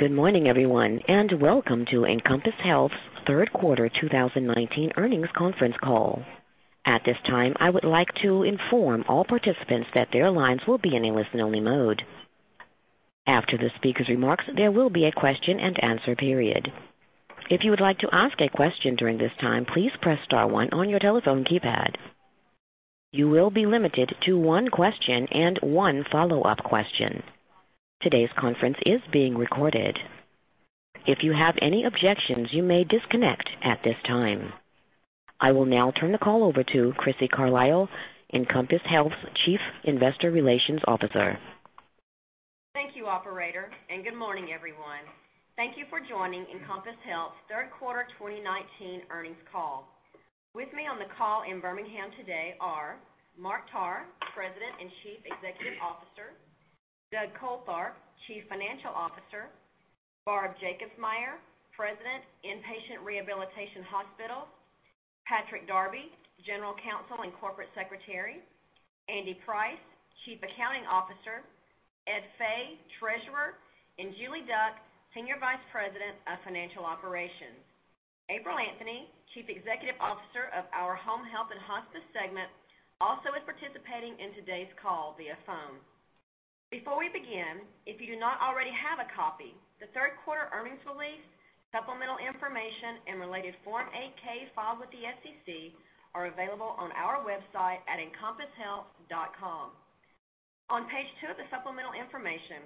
Good morning, everyone, and welcome to Encompass Health's third quarter 2019 earnings conference call. At this time, I would like to inform all participants that their lines will be in a listen-only mode. After the speaker's remarks, there will be a question and answer period. If you would like to ask a question during this time, please press star one on your telephone keypad. You will be limited to one question and one follow-up question. Today's conference is being recorded. If you have any objections, you may disconnect at this time. I will now turn the call over to Crissy Carlisle, Encompass Health's Chief Investor Relations Officer. Thank you, operator. Good morning, everyone. Thank you for joining Encompass Health's third quarter 2019 earnings call. With me on the call in Birmingham today are Mark Tarr, President and Chief Executive Officer, Doug Coltharp, Chief Financial Officer, Barb Jacobsmeyer, President, Inpatient Rehabilitation Hospitals, Patrick Darby, General Counsel and Corporate Secretary, Andy Price, Chief Accounting Officer, Ed Fay, Treasurer, and Julie Duck, Senior Vice President of Financial Operations. April Anthony, Chief Executive Officer of our Home Health and Hospice segment, also is participating in today's call via phone. Before we begin, if you do not already have a copy, the third quarter earnings release, supplemental information, and related Form 8-K filed with the SEC are available on our website at encompasshealth.com. On page two of the supplemental information,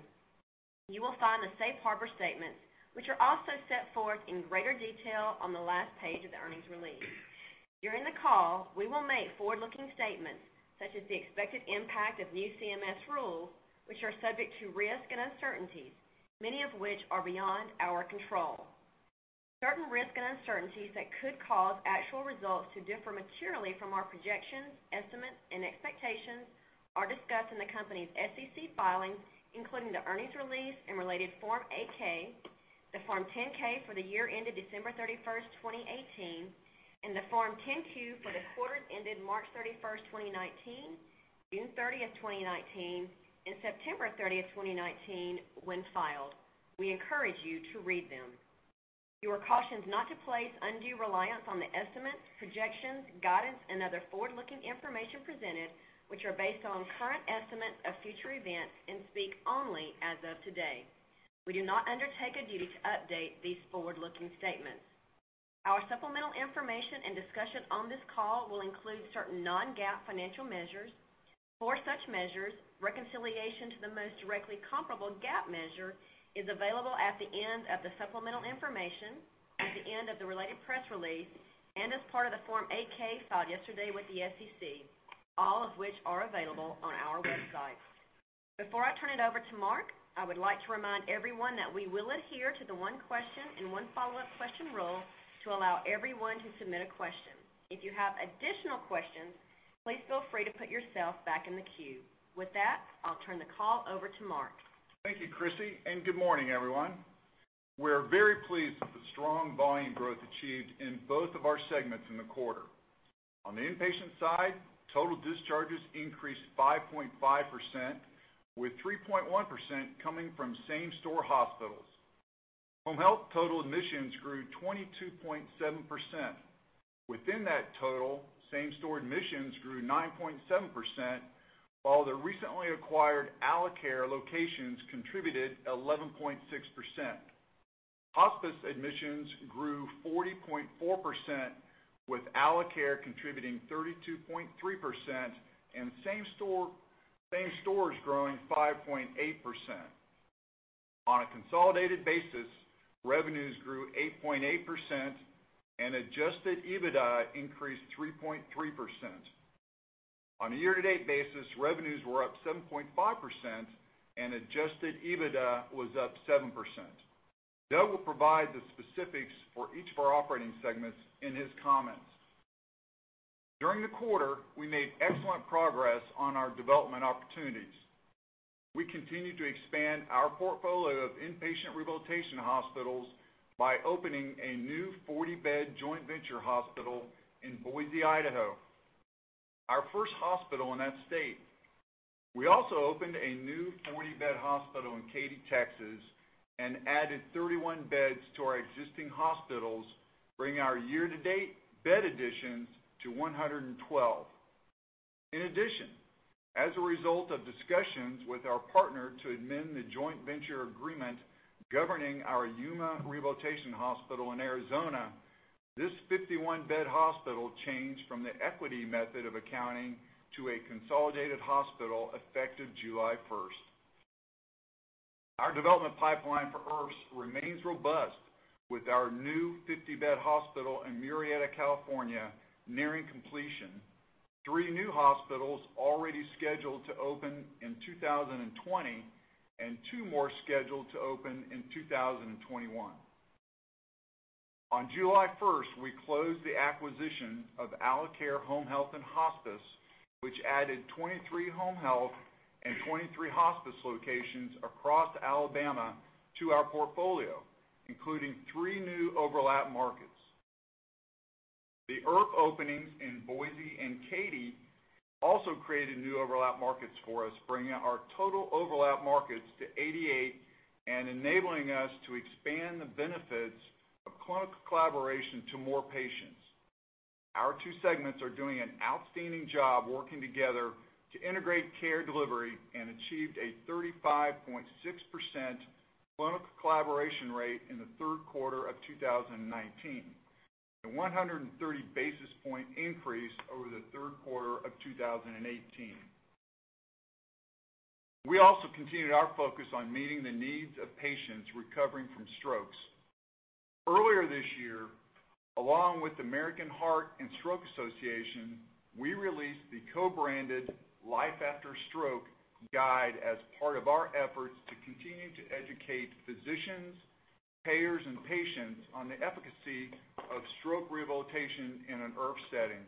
you will find the safe harbor statement, which are also set forth in greater detail on the last page of the earnings release. During the call, we will make forward-looking statements, such as the expected impact of new CMS rules, which are subject to risks and uncertainties, many of which are beyond our control. Certain risks and uncertainties that could cause actual results to differ materially from our projections, estimates, and expectations are discussed in the company's SEC filings, including the earnings release and related Form 8-K, the Form 10-K for the year ended December 31st, 2018, and the Form 10-Q for the quarters ending March 31st, 2019, June 30th, 2019, and September 30th, 2019, when filed. We encourage you to read them. You are cautioned not to place undue reliance on the estimates, projections, guidance, and other forward-looking information presented, which are based on current estimates of future events and speak only as of today. We do not undertake a duty to update these forward-looking statements. Our supplemental information and discussion on this call will include certain non-GAAP financial measures. For such measures, reconciliation to the most directly comparable GAAP measure is available at the end of the supplemental information, at the end of the related press release, and as part of the Form 8-K filed yesterday with the SEC, all of which are available on our website. Before I turn it over to Mark, I would like to remind everyone that we will adhere to the one question and one follow-up question rule to allow everyone to submit a question. If you have additional questions, please feel free to put yourself back in the queue. With that, I'll turn the call over to Mark. Thank you, Crissy, and good morning, everyone. We're very pleased with the strong volume growth achieved in both of our segments in the quarter. On the inpatient side, total discharges increased 5.5%, with 3.1% coming from same-store hospitals. Home health total admissions grew 22.7%. Within that total, same-store admissions grew 9.7%, while the recently acquired Alacare locations contributed 11.6%. Hospice admissions grew 40.4%, with Alacare contributing 32.3% and same-stores growing 5.8%. On a consolidated basis, revenues grew 8.8% and adjusted EBITDA increased 3.3%. On a year-to-date basis, revenues were up 7.5% and adjusted EBITDA was up 7%. Doug will provide the specifics for each of our operating segments in his comments. During the quarter, we made excellent progress on our development opportunities. We continued to expand our portfolio of inpatient rehabilitation hospitals by opening a new 40-bed joint venture hospital in Boise, Idaho, our first hospital in that state. We also opened a new 40-bed hospital in Katy, Texas, and added 31 beds to our existing hospitals, bringing our year-to-date bed additions to 112. In addition, as a result of discussions with our partner to amend the joint venture agreement governing our Yuma Rehabilitation Hospital in Arizona, this 51-bed hospital changed from the equity method of accounting to a consolidated hospital effective July 1st. Our development pipeline for IRFs remains robust with our new 50-bed hospital in Murrieta, California, nearing completion, three new hospitals already scheduled to open in 2020, and two more scheduled to open in 2021. On July 1st, we closed the acquisition of Alacare Home Health & Hospice, which added 23 home health and 23 hospice locations across Alabama to our portfolio, including three new overlap markets. The IRF openings in Boise and Katy also created new overlap markets for us, bringing our total overlap markets to 88 and enabling us to expand the benefits of clinical collaboration to more patients. Our two segments are doing an outstanding job working together to integrate care delivery and achieved a 35.6% clinical collaboration rate in the third quarter of 2019, a 130 basis point increase over the third quarter of 2018. We also continued our focus on meeting the needs of patients recovering from strokes. Earlier this year, along with American Heart and Stroke Association, we released the co-branded Life After Stroke guide as part of our efforts to continue to educate physicians, payers, and patients on the efficacy of stroke rehabilitation in an IRF setting.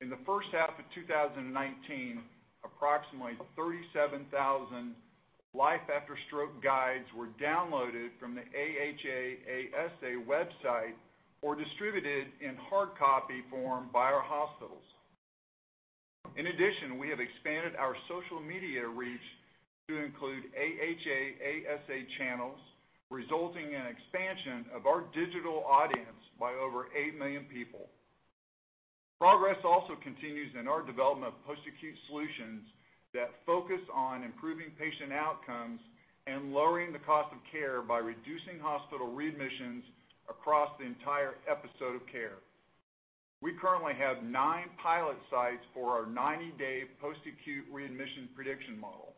In the first half of 2019, approximately 37,000 Life After Stroke guides were downloaded from the AHA/ASA website or distributed in hard copy form by our hospitals. We have expanded our social media reach to include AHA/ASA channels, resulting in expansion of our digital audience by over eight million people. Progress also continues in our development of post-acute solutions that focus on improving patient outcomes and lowering the cost of care by reducing hospital readmissions across the entire episode of care. We currently have nine pilot sites for our 90-day post-acute readmission prediction model.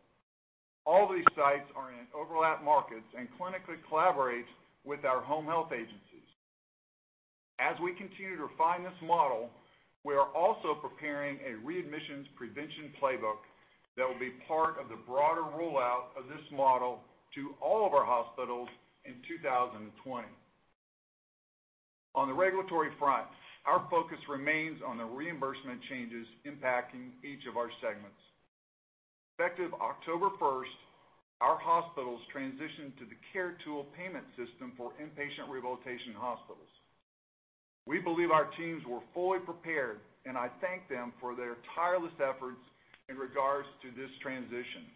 All these sites are in overlap markets and clinically collaborate with our home health agencies. As we continue to refine this model, we are also preparing a readmissions prevention playbook that will be part of the broader rollout of this model to all of our hospitals in 2020. On the regulatory front, our focus remains on the reimbursement changes impacting each of our segments. Effective October 1st, our hospitals transitioned to the CARE Tool payment system for inpatient rehabilitation hospitals. We believe our teams were fully prepared, and I thank them for their tireless efforts in regards to this transition.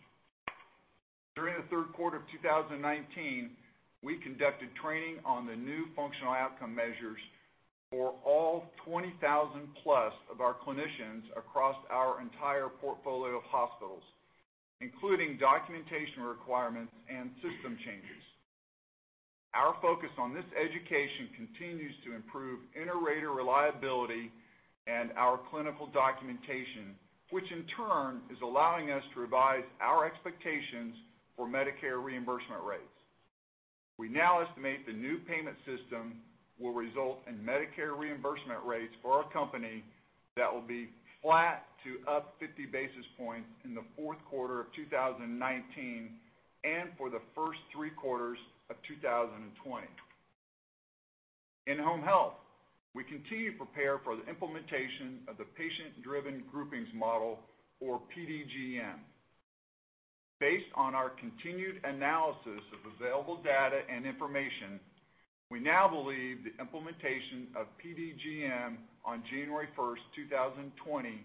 During the third quarter of 2019, we conducted training on the new functional outcome measures for all 20,000+ of our clinicians across our entire portfolio of hospitals, including documentation requirements and system changes. Our focus on this education continues to improve inter-rater reliability and our clinical documentation, which in turn is allowing us to revise our expectations for Medicare reimbursement rates. We now estimate the new payment system will result in Medicare reimbursement rates for our company that will be flat to up 50 basis points in the fourth quarter of 2019 and for the first three quarters of 2020. In home health, we continue to prepare for the implementation of the Patient-Driven Groupings Model or PDGM. Based on our continued analysis of available data and information, we now believe the implementation of PDGM on January 1st, 2020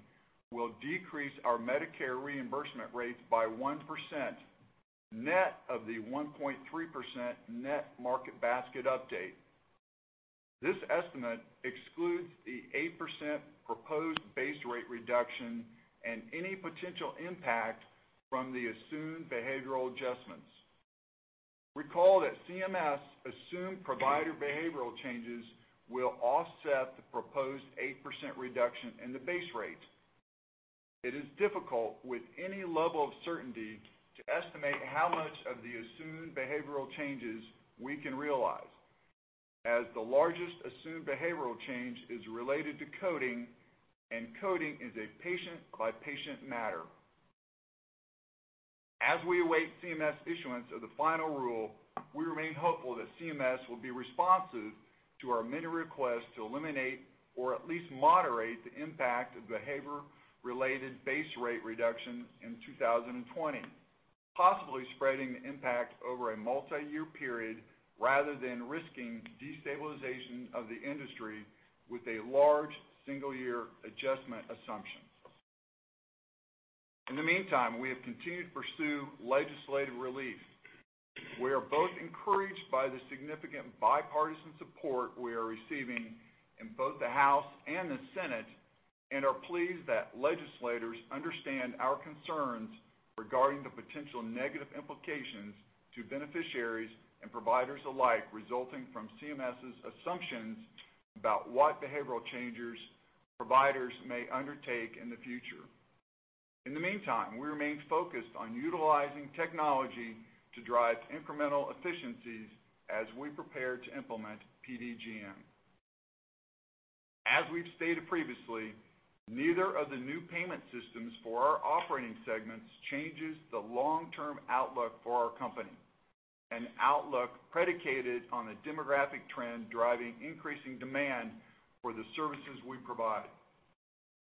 will decrease our Medicare reimbursement rates by 1%, net of the 1.3% net market basket update. This estimate excludes the 8% proposed base rate reduction and any potential impact from the assumed behavioral adjustments. Recall that CMS assumed provider behavioral changes will offset the proposed 8% reduction in the base rate. It is difficult with any level of certainty to estimate how much of the assumed behavioral changes we can realize, as the largest assumed behavioral change is related to coding, and coding is a patient-by-patient matter. As we await CMS issuance of the final rule, we remain hopeful that CMS will be responsive to our many requests to eliminate or at least moderate the impact of behavior-related base rate reductions in 2020, possibly spreading the impact over a multi-year period rather than risking destabilization of the industry with a large single-year adjustment assumption. In the meantime, we have continued to pursue legislative relief. We are both encouraged by the significant bipartisan support we are receiving in both the House and the Senate and are pleased that legislators understand our concerns regarding the potential negative implications to beneficiaries and providers alike resulting from CMS's assumptions about what behavioral changes providers may undertake in the future. In the meantime, we remain focused on utilizing technology to drive incremental efficiencies as we prepare to implement PDGM. As we've stated previously, neither of the new payment systems for our operating segments changes the long-term outlook for our company, an outlook predicated on a demographic trend driving increasing demand for the services we provide.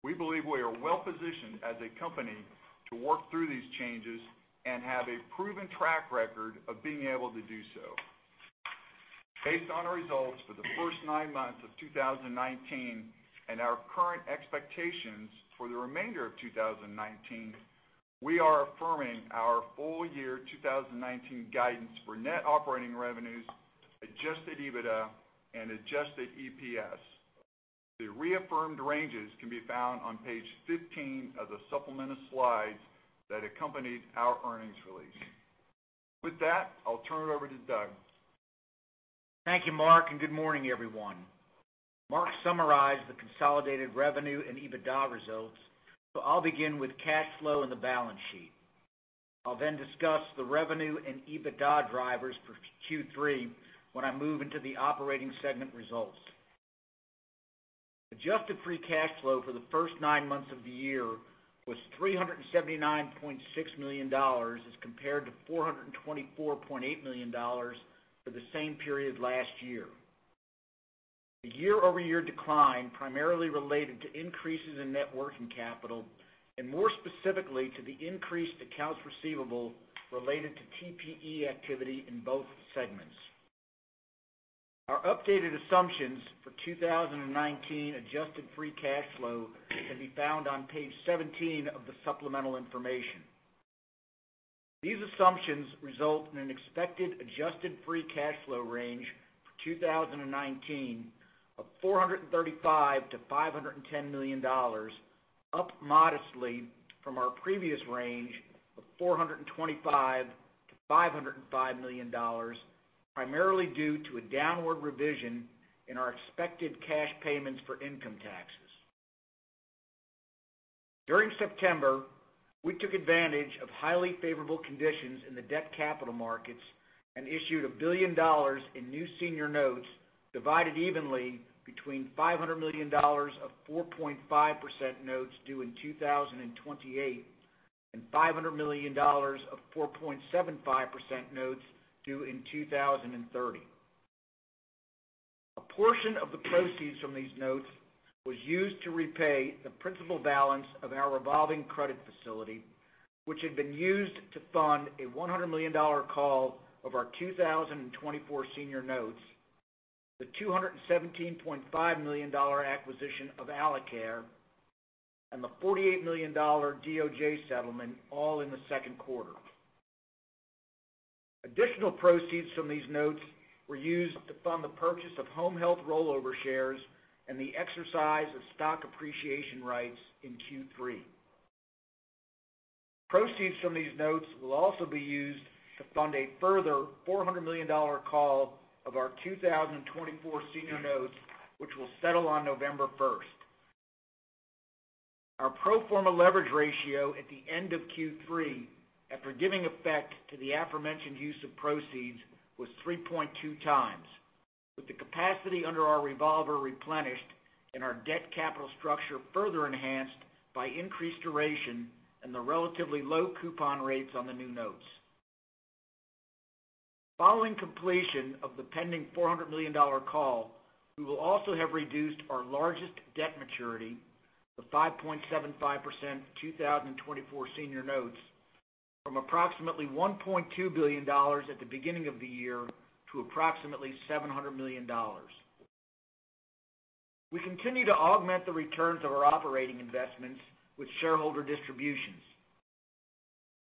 We believe we are well-positioned as a company to work through these changes and have a proven track record of being able to do so. Based on our results for the first nine months of 2019 and our current expectations for the remainder of 2019, we are affirming our full year 2019 guidance for net operating revenues, adjusted EBITDA, and adjusted EPS. The reaffirmed ranges can be found on page 15 of the supplemental slides that accompanied our earnings release. With that, I'll turn it over to Doug. Thank you, Mark, and good morning, everyone. Mark summarized the consolidated revenue and EBITDA results, so I'll begin with cash flow and the balance sheet. I'll discuss the revenue and EBITDA drivers for Q3 when I move into the operating segment results. Adjusted free cash flow for the first nine months of the year was $379.6 million, as compared to $424.8 million for the same period last year. The year-over-year decline primarily related to increases in net working capital, and more specifically, to the increased accounts receivable related to TPE activity in both segments. Our updated assumptions for 2019 adjusted free cash flow can be found on page 17 of the supplemental information. These assumptions result in an expected adjusted free cash flow range for 2019 of $435 million-$510 million, up modestly from our previous range of $425 million-$505 million, primarily due to a downward revision in our expected cash payments for income taxes. During September, we took advantage of highly favorable conditions in the debt capital markets and issued $1 billion in new senior notes, divided evenly between $500 million of 4.5% notes due in 2028 and $500 million of 4.75% notes due in 2030. A portion of the proceeds from these notes was used to repay the principal balance of our revolving credit facility, which had been used to fund a $100 million call of our 2024 senior notes, the $217.5 million acquisition of Alacare, and the $48 million DOJ settlement all in the second quarter. Additional proceeds from these notes were used to fund the purchase of home health rollover shares and the exercise of stock appreciation rights in Q3. Proceeds from these notes will also be used to fund a further $400 million call of our 2024 senior notes, which will settle on November 1st. Our pro forma leverage ratio at the end of Q3, after giving effect to the aforementioned use of proceeds, was 3.2 times, with the capacity under our revolver replenished and our debt capital structure further enhanced by increased duration and the relatively low coupon rates on the new notes. Following completion of the pending $400 million call, we will also have reduced our largest debt maturity, the 5.75% 2024 senior notes, from approximately $1.2 billion at the beginning of the year to approximately $700 million. We continue to augment the returns of our operating investments with shareholder distributions.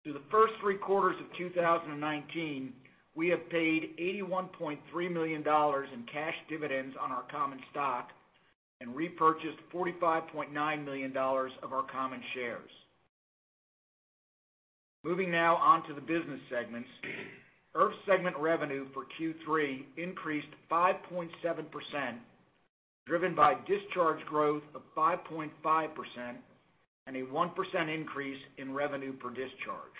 Through the first three quarters of 2019, we have paid $81.3 million in cash dividends on our common stock and repurchased $45.9 million of our common shares. Moving now on to the business segments. IRF segment revenue for Q3 increased 5.7%, driven by discharge growth of 5.5% and a 1% increase in revenue per discharge.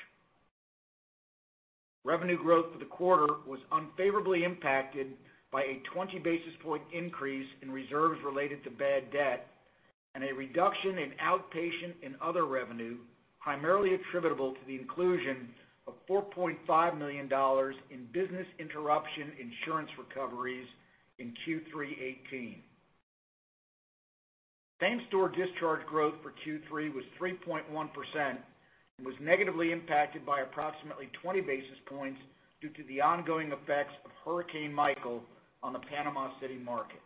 Revenue growth for the quarter was unfavorably impacted by a 20-basis-point increase in reserves related to bad debt and a reduction in outpatient and other revenue, primarily attributable to the inclusion of $4.5 million in business interruption insurance recoveries in Q3 2018. Same-store discharge growth for Q3 was 3.1% and was negatively impacted by approximately 20 basis points due to the ongoing effects of Hurricane Michael on the Panama City market.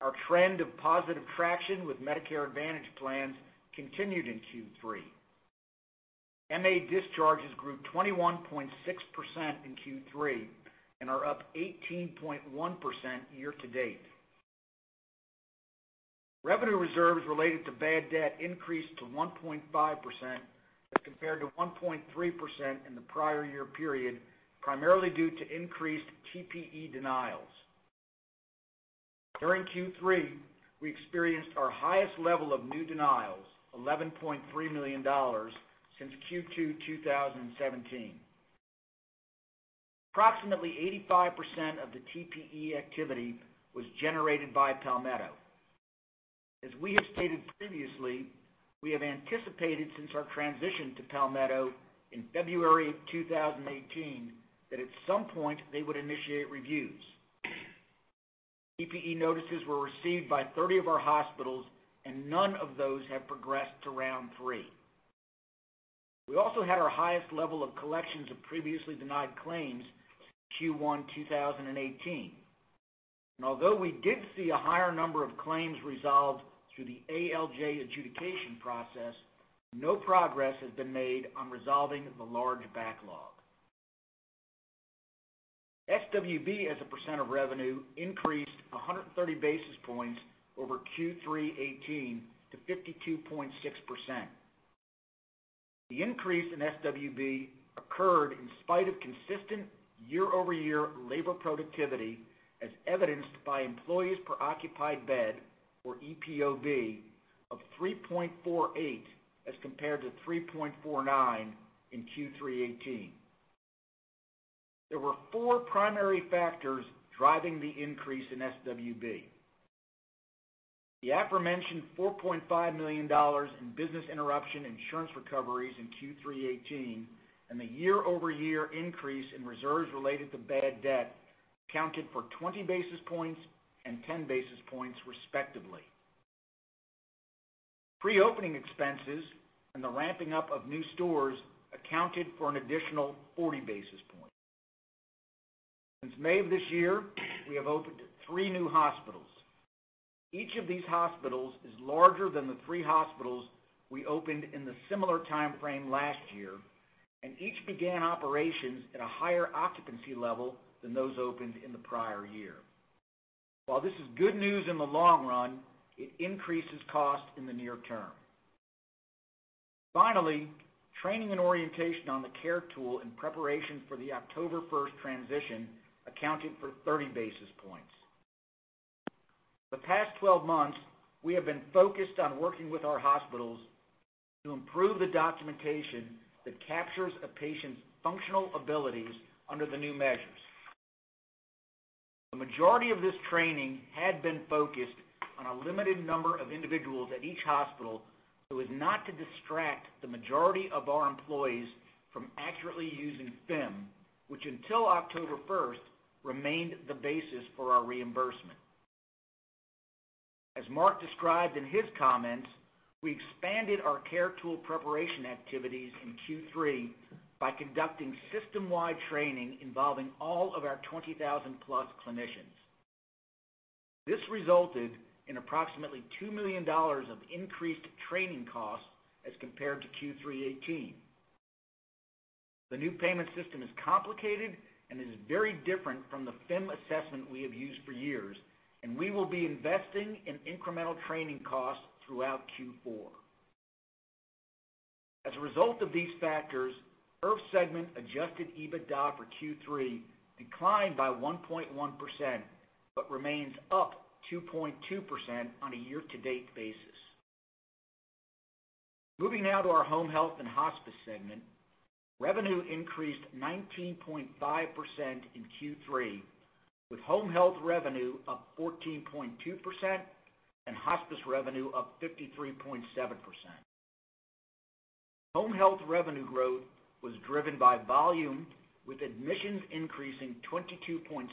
Our trend of positive traction with Medicare Advantage plans continued in Q3. MA discharges grew 21.6% in Q3 and are up 18.1% year-to-date. Revenue reserves related to bad debt increased to 1.5% as compared to 1.3% in the prior year period, primarily due to increased TPE denials. During Q3, we experienced our highest level of new denials, $11.3 million, since Q2 2017. Approximately 85% of the TPE activity was generated by Palmetto. As we have stated previously. We have anticipated since our transition to Palmetto in February 2018 that at some point they would initiate reviews. TPE notices were received by 30 of our hospitals, and none of those have progressed to round three. We also had our highest level of collections of previously denied claims since Q1 2018. Although we did see a higher number of claims resolved through the ALJ adjudication process, no progress has been made on resolving the large backlog. SWB as a % of revenue increased 130 basis points over Q3 2018 to 52.6%. The increase in SWB occurred in spite of consistent year-over-year labor productivity, as evidenced by employees per occupied bed, or EPOB, of 3.48 as compared to 3.49 in Q3 2018. There were four primary factors driving the increase in SWB. The aforementioned $4.5 million in business interruption insurance recoveries in Q3 2018, and the year-over-year increase in reserves related to bad debt accounted for 20 basis points and 10 basis points respectively. Pre-opening expenses and the ramping up of new stores accounted for an additional 40 basis points. Since May of this year, we have opened three new hospitals. Each of these hospitals is larger than the three hospitals we opened in the similar timeframe last year, and each began operations at a higher occupancy level than those opened in the prior year. While this is good news in the long run, it increases cost in the near term. Training and orientation on the CARE Tool in preparation for the October 1st transition accounted for 30 basis points. The past 12 months, we have been focused on working with our hospitals to improve the documentation that captures a patient's functional abilities under the new measures. The majority of this training had been focused on a limited number of individuals at each hospital so as not to distract the majority of our employees from accurately using FIM, which until October 1st, remained the basis for our reimbursement. As Mark described in his comments, we expanded our CARE Tool preparation activities in Q3 by conducting system-wide training involving all of our 20,000-plus clinicians. This resulted in approximately $2 million of increased training costs as compared to Q3 2018. The new payment system is complicated and is very different from the FIM assessment we have used for years, and we will be investing in incremental training costs throughout Q4. As a result of these factors, IRF segment adjusted EBITDA for Q3 declined by 1.1%, but remains up 2.2% on a year-to-date basis. Moving now to our Home Health and Hospice segment. Revenue increased 19.5% in Q3, with home health revenue up 14.2% and hospice revenue up 53.7%. Home health revenue growth was driven by volume, with admissions increasing 22.7%,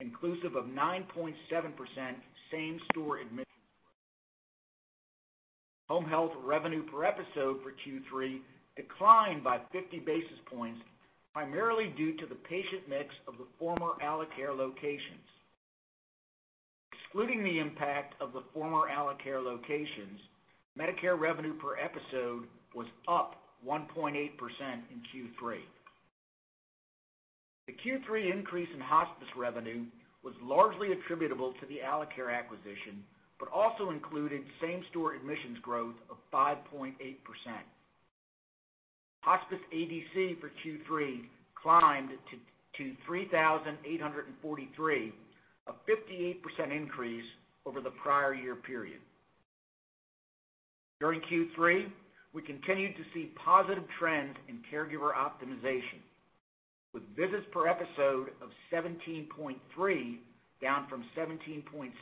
inclusive of 9.7% same-store admissions. Home health revenue per episode for Q3 declined by 50 basis points, primarily due to the patient mix of the former Alacare locations. Excluding the impact of the former Alacare locations, Medicare revenue per episode was up 1.8% in Q3. The Q3 increase in hospice revenue was largely attributable to the Alacare acquisition, but also included same-store admissions growth of 5.8%. Hospice ADC for Q3 climbed to 3,843, a 58% increase over the prior year period. During Q3, we continued to see positive trends in caregiver optimization, with visits per episode of 17.3, down from 17.6 in Q3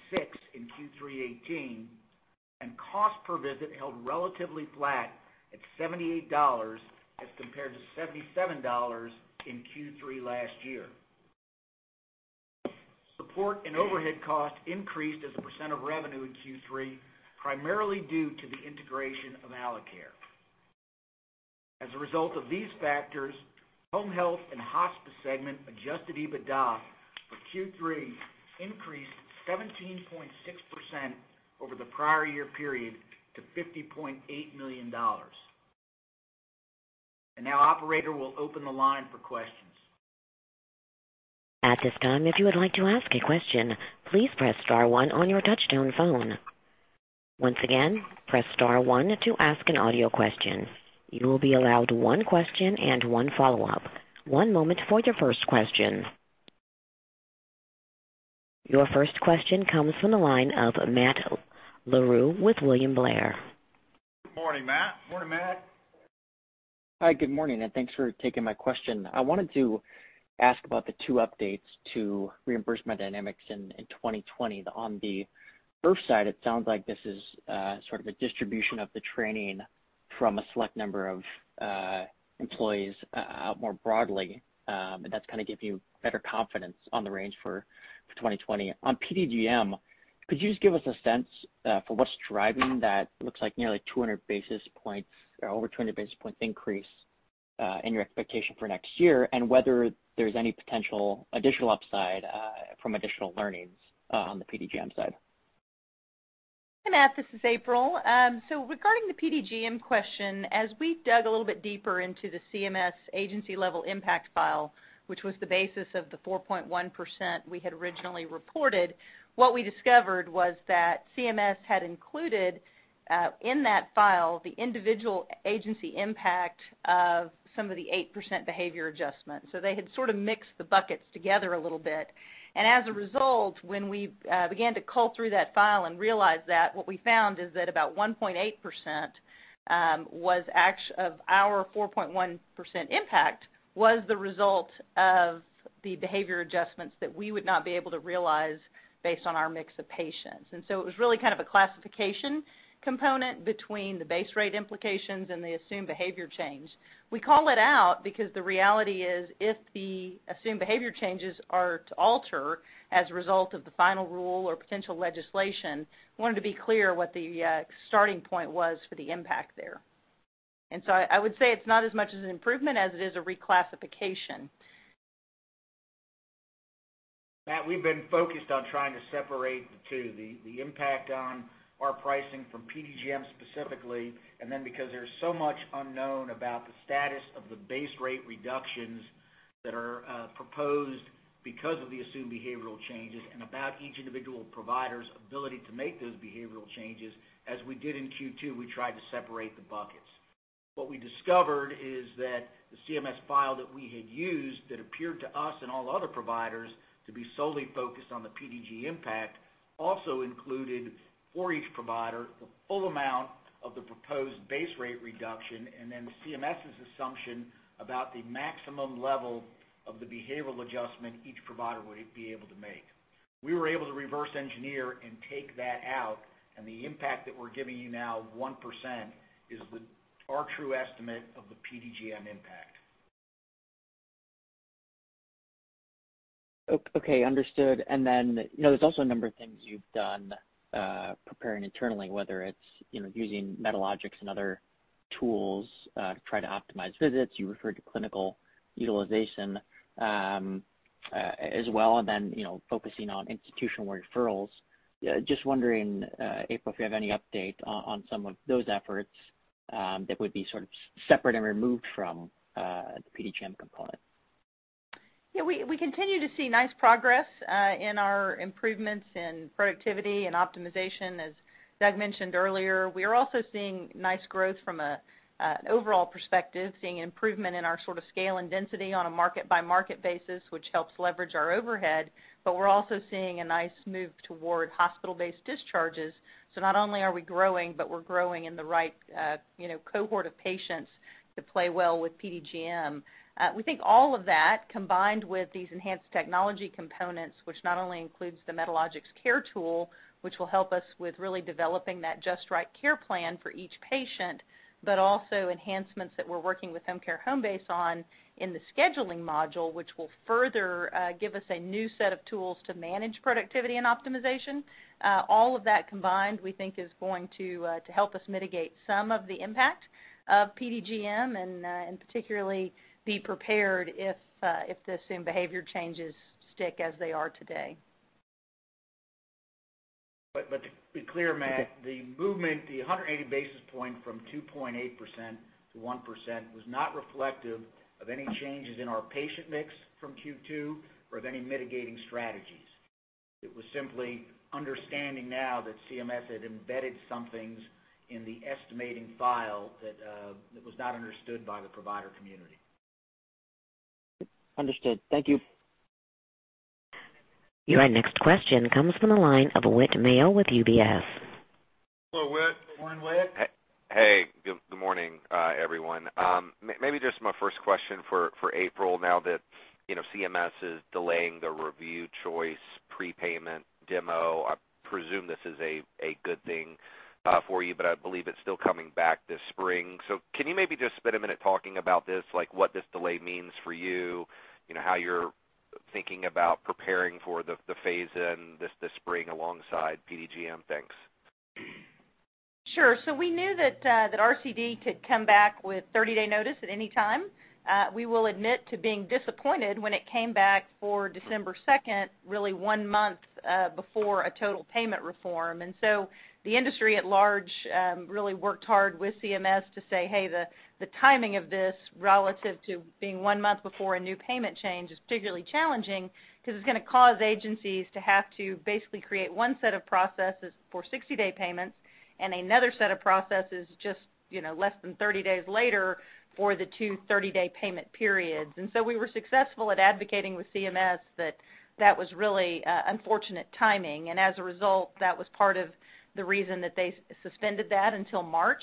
2018, and cost per visit held relatively flat at $78 as compared to $77 in Q3 last year. Support and overhead costs increased as a % of revenue in Q3, primarily due to the integration of Alacare. As a result of these factors, home health and hospice segment adjusted EBITDA for Q3 increased 17.6% over the prior year period to $50.8 million. Now operator will open the line for questions. At this time, if you would like to ask a question, please press star one on your touchtone phone. Once again, press star one to ask an audio question. You will be allowed one question and one follow-up. One moment for your first question. Your first question comes from the line of Matt Larew with William Blair. Good morning, Matt. Morning, Matt. Hi, good morning, and thanks for taking my question. I wanted to ask about the two updates to reimbursement dynamics in 2020. On the first side, it sounds like this is sort of a distribution of the training from a select number of employees out more broadly, and that's going to give you better confidence on the range for 2020. On PDGM, could you just give us a sense for what's driving that looks like nearly 200 basis points or over 200 basis points increase in your expectation for next year, and whether there's any potential additional upside from additional learnings on the PDGM side? Hey, Matt, this is April. Regarding the PDGM question, as we dug a little bit deeper into the CMS agency-level impact file, which was the basis of the 4.1% we had originally reported, what we discovered was that CMS had included in that file the individual agency impact of some of the 8% behavior adjustment. They had sort of mixed the buckets together a little bit. As a result, when we began to cull through that file and realized that, what we found is that about 1.8% of our 4.1% impact was the result of the behavior adjustments that we would not be able to realize based on our mix of patients. It was really kind of a classification component between the base rate implications and the assumed behavior change. We call it out because the reality is, if the assumed behavior changes are to alter as a result of the final rule or potential legislation, we wanted to be clear what the starting point was for the impact there. I would say it's not as much as an improvement as it is a reclassification. Matt, we've been focused on trying to separate the two, the impact on our pricing from PDGM specifically, and then because there's so much unknown about the status of the base rate reductions that are proposed because of the assumed behavioral changes and about each individual provider's ability to make those behavioral changes, as we did in Q2, we tried to separate the buckets. What we discovered is that the CMS file that we had used that appeared to us and all other providers to be solely focused on the PDGM impact also included, for each provider, the full amount of the proposed base rate reduction, and then CMS's assumption about the maximum level of the behavioral adjustment each provider would be able to make. We were able to reverse engineer and take that out, and the impact that we're giving you now, 1%, is our true estimate of the PDGM impact. Okay. Understood. There's also a number of things you've done preparing internally, whether it's using Medalogix and other tools to try to optimize visits. You referred to clinical utilization as well, and then focusing on institutional referrals. Just wondering, April, if you have any update on some of those efforts that would be sort of separate and removed from the PDGM component. Yeah, we continue to see nice progress in our improvements in productivity and optimization, as Doug mentioned earlier. We are also seeing nice growth from an overall perspective, seeing improvement in our sort of scale and density on a market-by-market basis, which helps leverage our overhead, but we're also seeing a nice move toward hospital-based discharges. Not only are we growing, but we're growing in the right cohort of patients that play well with PDGM. We think all of that, combined with these enhanced technology components, which not only includes the Medalogix CARE Tool, which will help us with really developing that just right care plan for each patient, but also enhancements that we're working with Homecare Homebase on in the scheduling module, which will further give us a new set of tools to manage productivity and optimization. All of that combined, we think, is going to help us mitigate some of the impact of PDGM and particularly be prepared if the assumed behavior changes stick as they are today. To be clear, Matt, the movement, the 180 basis points from 2.8% to 1%, was not reflective of any changes in our patient mix from Q2 or of any mitigating strategies. It was simply understanding now that CMS had embedded some things in the estimating file that was not understood by the provider community. Understood. Thank you. Your next question comes from the line of Whit Mayo with UBS. Hello, Whit. Morning, Whit. Hey. Good morning, everyone. Maybe just my first question for April, now that CMS is delaying the Review Choice prepayment demo, I presume this is a good thing for you, but I believe it's still coming back this spring. Can you maybe just spend a minute talking about this, like what this delay means for you? How you're thinking about preparing for the phase in this spring alongside PDGM? Thanks. Sure. We knew that RCD could come back with 30-day notice at any time. We will admit to being disappointed when it came back for December 2nd, really one month before a total payment reform. The industry at large, really worked hard with CMS to say, "Hey, the timing of this relative to being one month before a new payment change is particularly challenging because it's going to cause agencies to have to basically create one set of processes for 60-day payments and another set of processes just less than 30 days later for the two 30-day payment periods." We were successful at advocating with CMS that that was really unfortunate timing, and as a result, that was part of the reason that they suspended that until March.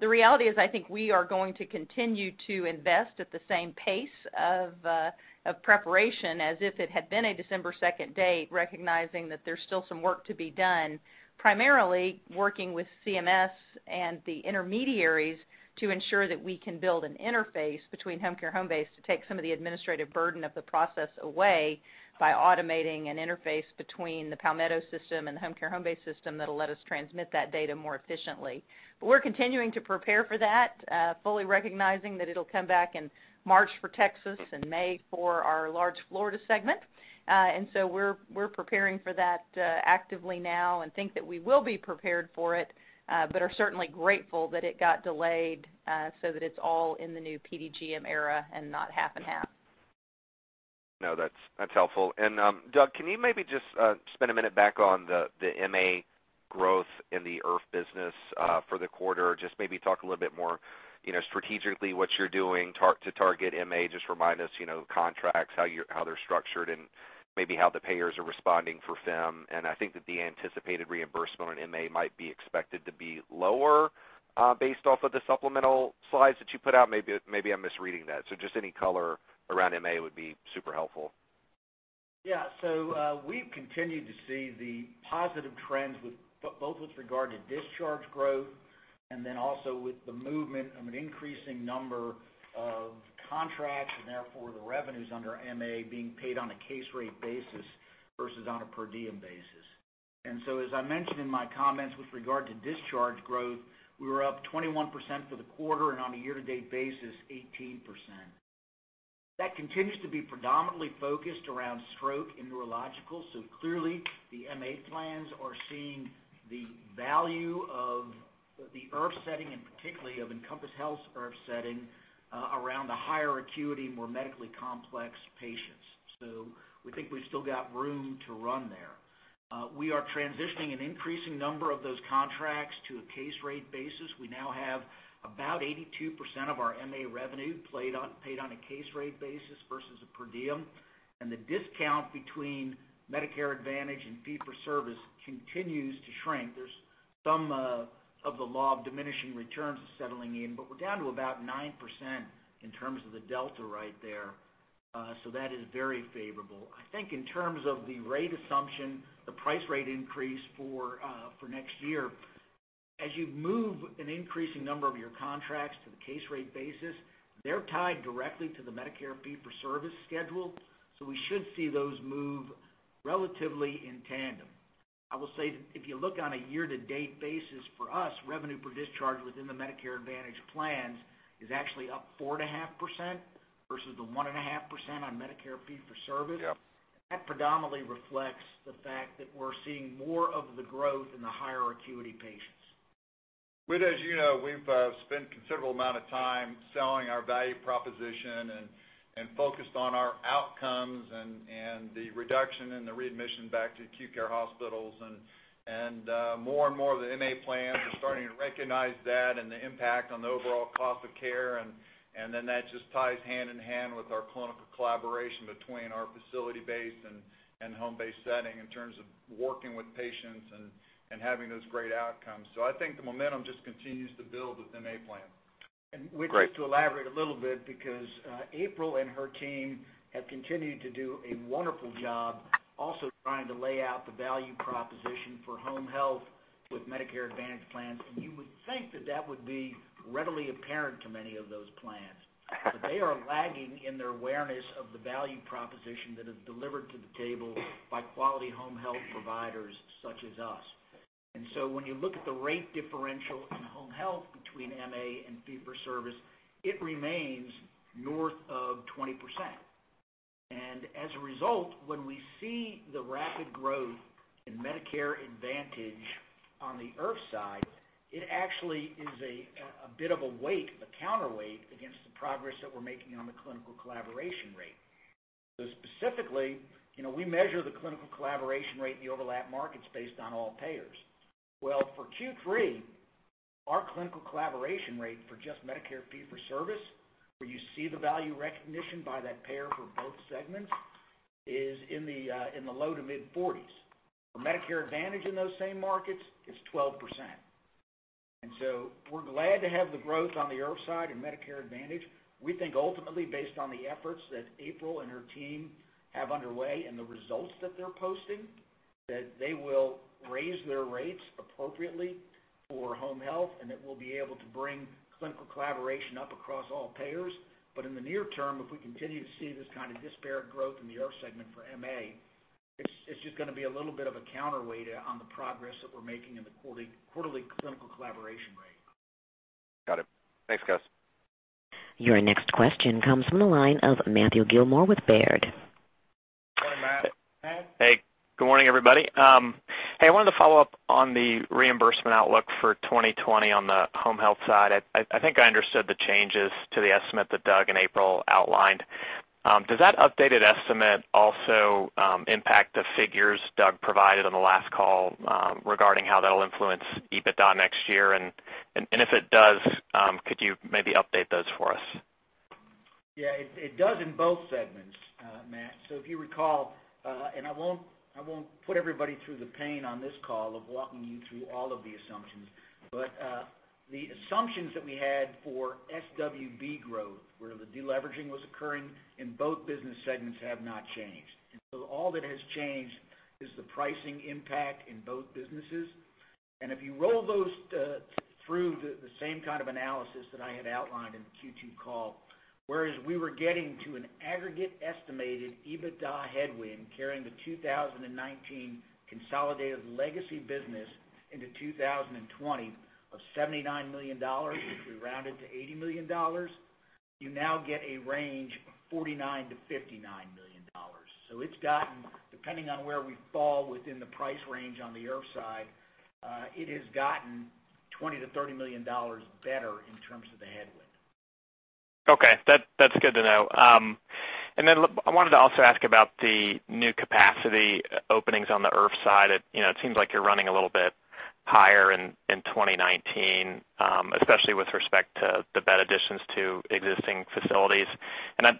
The reality is, I think we are going to continue to invest at the same pace of preparation as if it had been a December 2nd date, recognizing that there's still some work to be done, primarily working with CMS and the intermediaries to ensure that we can build an interface between HomeCare HomeBase to take some of the administrative burden of the process away by automating an interface between the Palmetto system and the HomeCare HomeBase system that'll let us transmit that data more efficiently. We're continuing to prepare for that, fully recognizing that it'll come back in March for Texas and May for our large Florida segment. We're preparing for that actively now and think that we will be prepared for it, but are certainly grateful that it got delayed, so that it's all in the new PDGM era and not half and half. No, that's helpful. Doug, can you maybe just spend a minute back on the MA growth in the IRF business for the quarter? Just maybe talk a little bit more strategically what you're doing to target MA. Just remind us, contracts, how they're structured and maybe how the payers are responding for PHM. I think that the anticipated reimbursement on MA might be expected to be lower, based off of the supplemental slides that you put out. Maybe I'm misreading that. Just any color around MA would be super helpful. Yeah. We've continued to see the positive trends, both with regard to discharge growth and then also with the movement of an increasing number of contracts, and therefore the revenues under MA being paid on a case rate basis versus on a per diem basis. As I mentioned in my comments with regard to discharge growth, we were up 21% for the quarter and on a year-to-date basis, 18%. That continues to be predominantly focused around stroke and neurological. Clearly the MA plans are seeing the value of the IRF setting and particularly of Encompass Health's IRF setting, around the higher acuity, more medically complex patients. We think we've still got room to run there. We are transitioning an increasing number of those contracts to a case rate basis. We now have about 82% of our MA revenue paid on a case rate basis versus a per diem. The discount between Medicare Advantage and fee-for-service continues to shrink. There's some of the law of diminishing returns settling in, but we're down to about 9% in terms of the delta right there. That is very favorable. I think in terms of the rate assumption, the price rate increase for next year, as you move an increasing number of your contracts to the case rate basis, they're tied directly to the Medicare fee-for-service schedule, so we should see those move relatively in tandem. I will say that if you look on a year-to-date basis for us, revenue per discharge within the Medicare Advantage plans is actually up 4.5% versus the 1.5% on Medicare fee-for-service. Yep. That predominantly reflects the fact that we're seeing more of the growth in the higher acuity patients. Whit, as you know, we've spent considerable amount of time selling our value proposition and focused on our outcomes and the reduction in the readmission back to acute care hospitals. More and more of the MA plans are starting to recognize that and the impact on the overall cost of care. That just ties hand-in-hand with our clinical collaboration between our facility base and home-based setting in terms of working with patients and having those great outcomes. I think the momentum just continues to build with MA plan. Great. Whit, just to elaborate a little bit because April and her team have continued to do a wonderful job also trying to lay out the value proposition for home health with Medicare Advantage plans. You would think that that would be readily apparent to many of those plans. They are lagging in their awareness of the value proposition that is delivered to the table by quality home health providers such as us. When you look at the rate differential in home health between MA and fee-for-service, it remains north of 20%. As a result, when we see the rapid growth in Medicare Advantage on the IRF side, it actually is a bit of a weight, a counterweight against the progress that we're making on the clinical collaboration rate. Specifically, we measure the clinical collaboration rate in the overlap markets based on all payers. Well, for Q3, our clinical collaboration rate for just Medicare fee-for-service, where you see the value recognition by that payer for both segments, is in the low to mid-40s. For Medicare Advantage in those same markets, it's 12%. We're glad to have the growth on the IRF side and Medicare Advantage. We think ultimately, based on the efforts that April and her team have underway and the results that they're posting, that they will raise their rates appropriately for home health, and that we'll be able to bring clinical collaboration up across all payers. In the near term, if we continue to see this kind of disparate growth in the IRF segment for MA, it's just going to be a little bit of a counterweight on the progress that we're making in the quarterly clinical collaboration rate. Got it. Thanks, guys. Your next question comes from the line of Matthew Gillmor with Baird. Go ahead, Matt. Hey, good morning, everybody. Hey, I wanted to follow up on the reimbursement outlook for 2020 on the home health side. I think I understood the changes to the estimate that Doug and April outlined. Does that updated estimate also impact the figures Doug provided on the last call regarding how that'll influence EBITDA next year? If it does, could you maybe update those for us? It does in both segments, Matt. If you recall, and I won't put everybody through the pain on this call of walking you through all of the assumptions, but the assumptions that we had for SWB growth, where the de-leveraging was occurring in both business segments, have not changed. All that has changed is the pricing impact in both businesses. If you roll those through the same kind of analysis that I had outlined in the Q2 call, whereas we were getting to an aggregate estimated EBITDA headwind carrying the 2019 consolidated legacy business into 2020 of $79 million, which we rounded to $80 million, you now get a range of $49 million-$59 million. It's gotten, depending on where we fall within the price range on the IRF side, it has gotten $20 million-$30 million better in terms of the headwind. Okay. That's good to know. I wanted to also ask about the new capacity openings on the IRF side. It seems like you're running a little bit higher in 2019, especially with respect to the bed additions to existing facilities.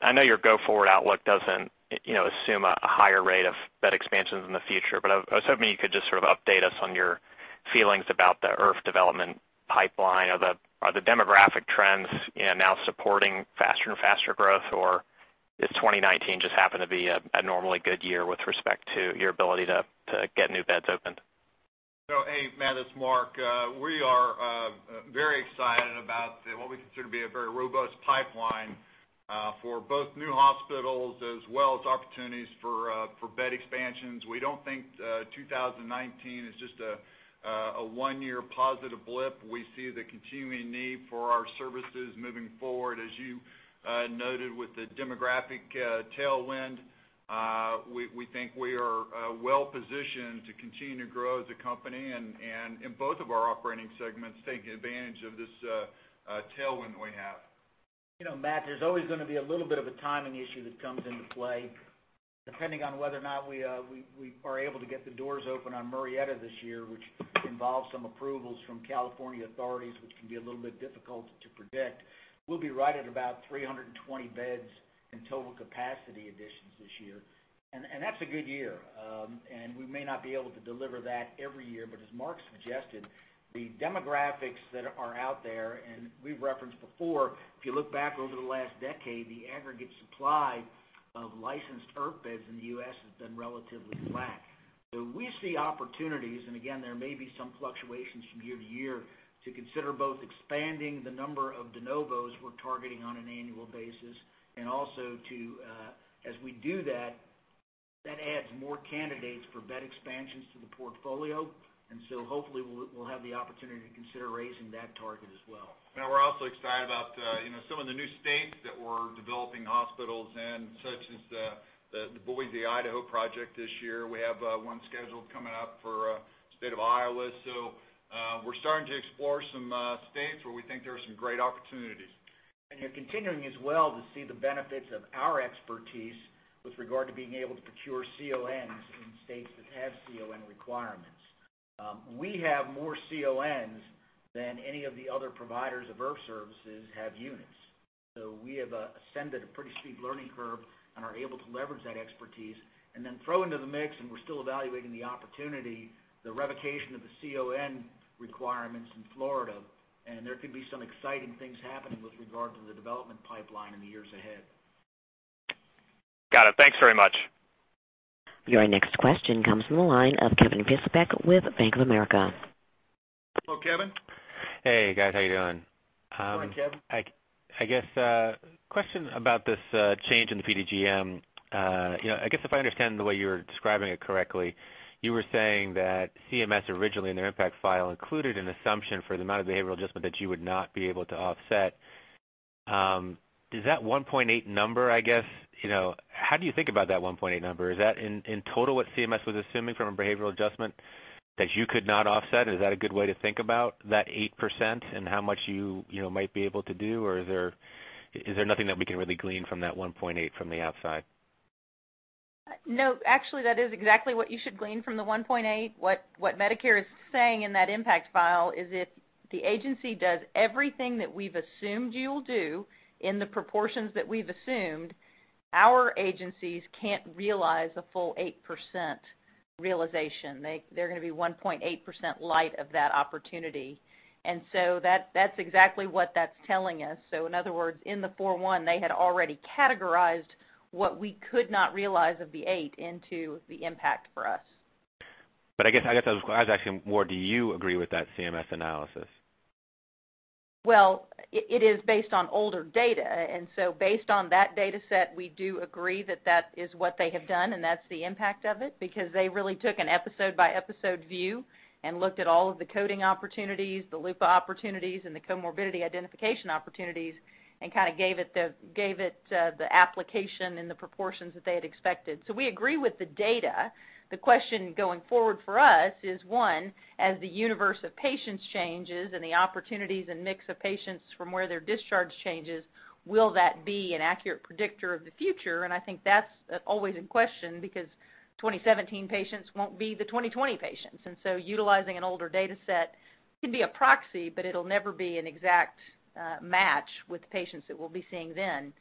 I know your go-forward outlook doesn't assume a higher rate of bed expansions in the future, but I was hoping you could just sort of update us on your feelings about the IRF development pipeline. Are the demographic trends now supporting faster and faster growth? Or does 2019 just happen to be a normally good year with respect to your ability to get new beds opened? Hey, Matt, it's Mark. We are very excited about what we consider to be a very robust pipeline for both new hospitals as well as opportunities for bed expansions. We don't think 2019 is just a one-year positive blip. We see the continuing need for our services moving forward. As you noted with the demographic tailwind, we think we are well positioned to continue to grow as a company and in both of our operating segments, taking advantage of this tailwind we have. Matt, there's always going to be a little bit of a timing issue that comes into play. Depending on whether or not we are able to get the doors open on Murrieta this year, which involves some approvals from California authorities, which can be a little bit difficult to predict. We'll be right at about 320 beds in total capacity additions this year. That's a good year. We may not be able to deliver that every year, but as Mark suggested, the demographics that are out there, and we've referenced before, if you look back over the last decade, the aggregate supply of licensed IRF beds in the U.S. has been relatively flat. We see opportunities, and again, there may be some fluctuations from year to year, to consider both expanding the number of de novos we're targeting on an annual basis, and also to, as we do that adds more candidates for bed expansions to the portfolio. Hopefully we'll have the opportunity to consider raising that target as well. We're also excited about some of the new states that we're developing hospitals in, such as the Boise, Idaho project this year. We have one scheduled coming up for the state of Iowa. We're starting to explore some states where we think there are some great opportunities. You're continuing as well to see the benefits of our expertise with regard to being able to procure CONs in states that have CON requirements. We have more CONs than any of the other providers of IRF services have units. We have ascended a pretty steep learning curve and are able to leverage that expertise, and then throw into the mix, and we're still evaluating the opportunity, the revocation of the CON requirements in Florida, and there could be some exciting things happening with regard to the development pipeline in the years ahead. Got it. Thanks very much. Your next question comes from the line of Kevin Fischbeck with Bank of America. Hello, Kevin. Hey, guys. How you doing? Good morning, Kevin. I guess, question about this change in the PDGM. I guess if I understand the way you were describing it correctly, you were saying that CMS originally in their impact file included an assumption for the amount of behavioral adjustment that you would not be able to offset. Is that 1.8 number, how do you think about that 1.8 number? Is that in total what CMS was assuming from a behavioral adjustment that you could not offset? Is that a good way to think about that 8% and how much you might be able to do? Is there nothing that we can really glean from that 1.8 from the outside? No, actually, that is exactly what you should glean from the 1.8. What Medicare is saying in that impact file is if the agency does everything that we've assumed you'll do in the proportions that we've assumed, our agencies can't realize a full 8% realization. They're going to be 1.8% light of that opportunity. That's exactly what that's telling us. In other words, in the 4.1. One, they had already categorized what we could not realize of the eight into the impact for us. I guess I was asking more, do you agree with that CMS analysis? Well, it is based on older data. Based on that data set, we do agree that is what they have done, and that's the impact of it, because they really took an episode-by-episode view and looked at all of the coding opportunities, the LUPA opportunities, and the comorbidity identification opportunities, and gave it the application and the proportions that they had expected. We agree with the data. The question going forward for us is, one, as the universe of patients changes and the opportunities and mix of patients from where their discharge changes, will that be an accurate predictor of the future? I think that's always in question, because 2017 patients won't be the 2020 patients. Utilizing an older data set can be a proxy, but it'll never be an exact match with the patients that we'll be seeing then.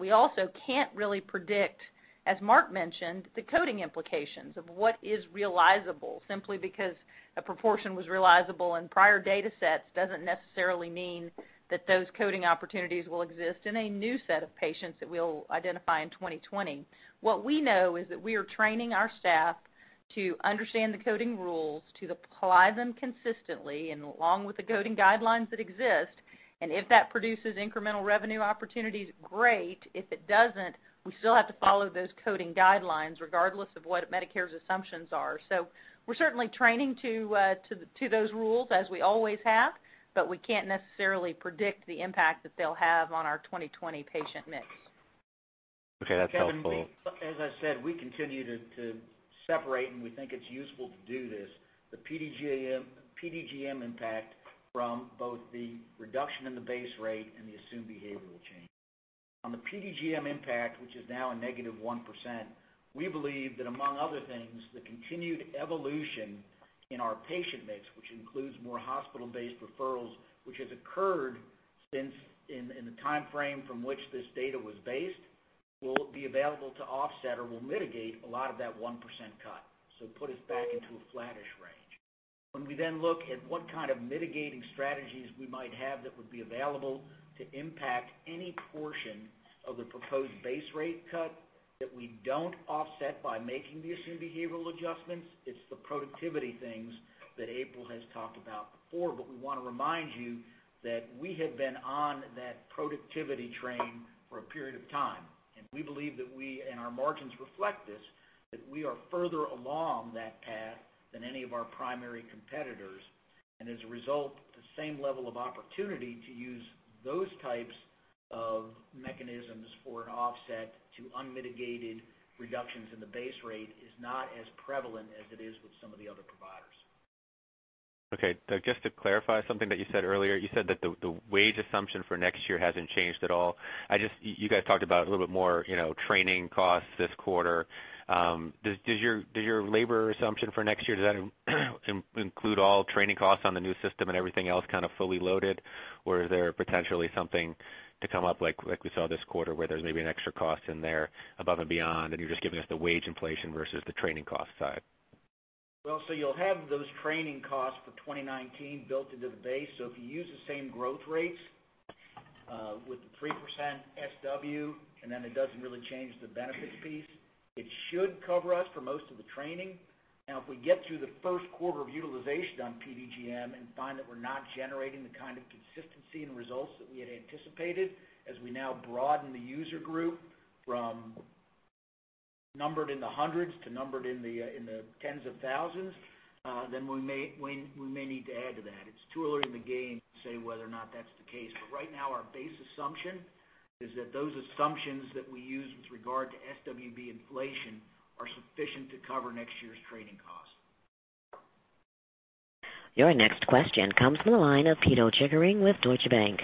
We also can't really predict, as Mark mentioned, the coding implications of what is realizable. Simply because a proportion was realizable in prior data sets doesn't necessarily mean that those coding opportunities will exist in a new set of patients that we'll identify in 2020. What we know is that we are training our staff to understand the coding rules, to apply them consistently and along with the coding guidelines that exist. If that produces incremental revenue opportunities, great. If it doesn't, we still have to follow those coding guidelines, regardless of what Medicare's assumptions are. We're certainly training to those rules as we always have, but we can't necessarily predict the impact that they'll have on our 2020 patient mix. Okay. That's helpful. Kevin, as I said, we continue to separate, and we think it's useful to do this, the PDGM impact from both the reduction in the base rate and the assumed behavioral change. On the PDGM impact, which is now a negative 1%, we believe that, among other things, the continued evolution in our patient mix, which includes more hospital-based referrals, which has occurred in the timeframe from which this data was based, will be available to offset or will mitigate a lot of that 1% cut, so put us back into a flattish range. When we then look at what kind of mitigating strategies we might have that would be available to impact any portion of the proposed base rate cut that we don't offset by making the assumed behavioral adjustments, it's the productivity things that April has talked about before. We want to remind you that we have been on that productivity train for a period of time, and we believe that we, and our margins reflect this, that we are further along that path than any of our primary competitors. As a result, the same level of opportunity to use those types of mechanisms for an offset to unmitigated reductions in the base rate is not as prevalent as it is with some of the other providers. Just to clarify something that you said earlier, you said that the wage assumption for next year hasn't changed at all. You guys talked about a little bit more training costs this quarter. Does your labor assumption for next year include all training costs on the new system and everything else fully loaded? Or is there potentially something to come up like we saw this quarter where there's maybe an extra cost in there above and beyond, and you're just giving us the wage inflation versus the training cost side? You'll have those training costs for 2019 built into the base. If you use the same growth rates, with the 3% SWB, it doesn't really change the benefits piece, it should cover us for most of the training. If we get through the first quarter of utilization on PDGM and find that we're not generating the kind of consistency and results that we had anticipated as we now broaden the user group from numbered in the hundreds to numbered in the tens of thousands, we may need to add to that. It's too early in the game to say whether or not that's the case. Right now, our base assumption is that those assumptions that we use with regard to SWB inflation are sufficient to cover next year's training costs. Your next question comes from the line of Pito Chickering with Deutsche Bank.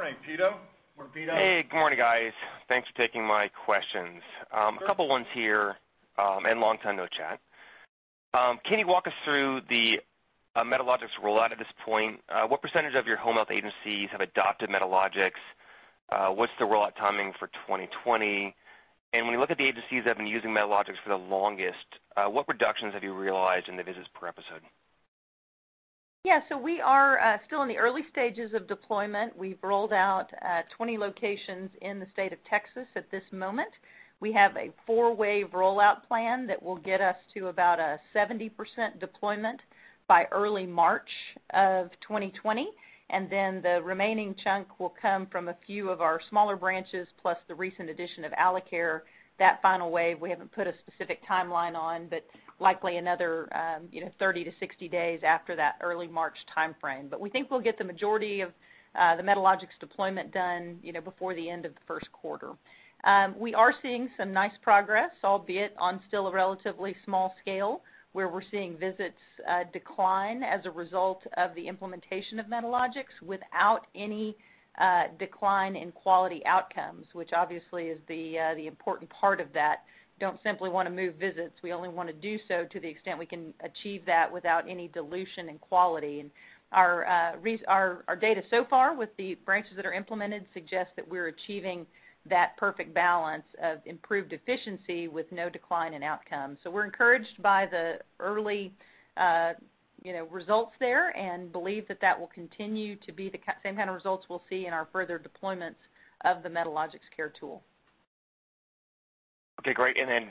Morning, Pito. Hey, good morning, guys. Thanks for taking my questions. A couple ones here, and long time no chat. Can you walk us through the Medalogix rollout at this point? What percentage of your home health agencies have adopted Medalogix? What's the rollout timing for 2020? When you look at the agencies that have been using Medalogix for the longest, what reductions have you realized in the visits per episode? Yeah. We are still in the early stages of deployment. We've rolled out 20 locations in the state of Texas at this moment. We have a four-wave rollout plan that will get us to about a 70% deployment by early March of 2020. The remaining chunk will come from a few of our smaller branches, plus the recent addition of Alacare. That final wave, we haven't put a specific timeline on, but likely another 30-60 days after that early March timeframe. We think we'll get the majority of the Medalogix deployment done before the end of the first quarter. We are seeing some nice progress, albeit on still a relatively small scale, where we're seeing visits decline as a result of the implementation of Medalogix without any decline in quality outcomes, which obviously is the important part of that. We don't simply want to move visits. We only want to do so to the extent we can achieve that without any dilution in quality. Our data so far with the branches that are implemented suggest that we're achieving that perfect balance of improved efficiency with no decline in outcomes. We're encouraged by the early results there and believe that will continue to be the same kind of results we'll see in our further deployments of the Medalogix CARE Tool. Okay, great. Then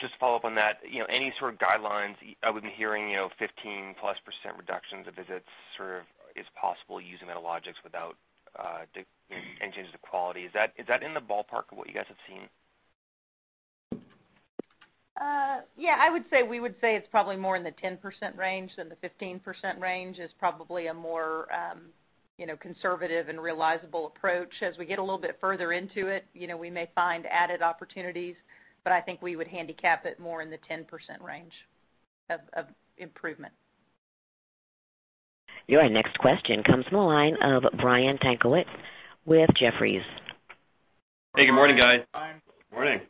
just to follow up on that, any sort of guidelines, I've been hearing 15% plus reductions of visits sort of is possible using Medalogix without any changes to quality. Is that in the ballpark of what you guys have seen? Yeah, I would say, we would say it's probably more in the 10% range than the 15% range. It's probably a more conservative and realizable approach. As we get a little bit further into it, we may find added opportunities, but I think we would handicap it more in the 10% range of improvement. Your next question comes from the line of Brian Tanquilut with Jefferies. Hey, good morning, guys. Morning.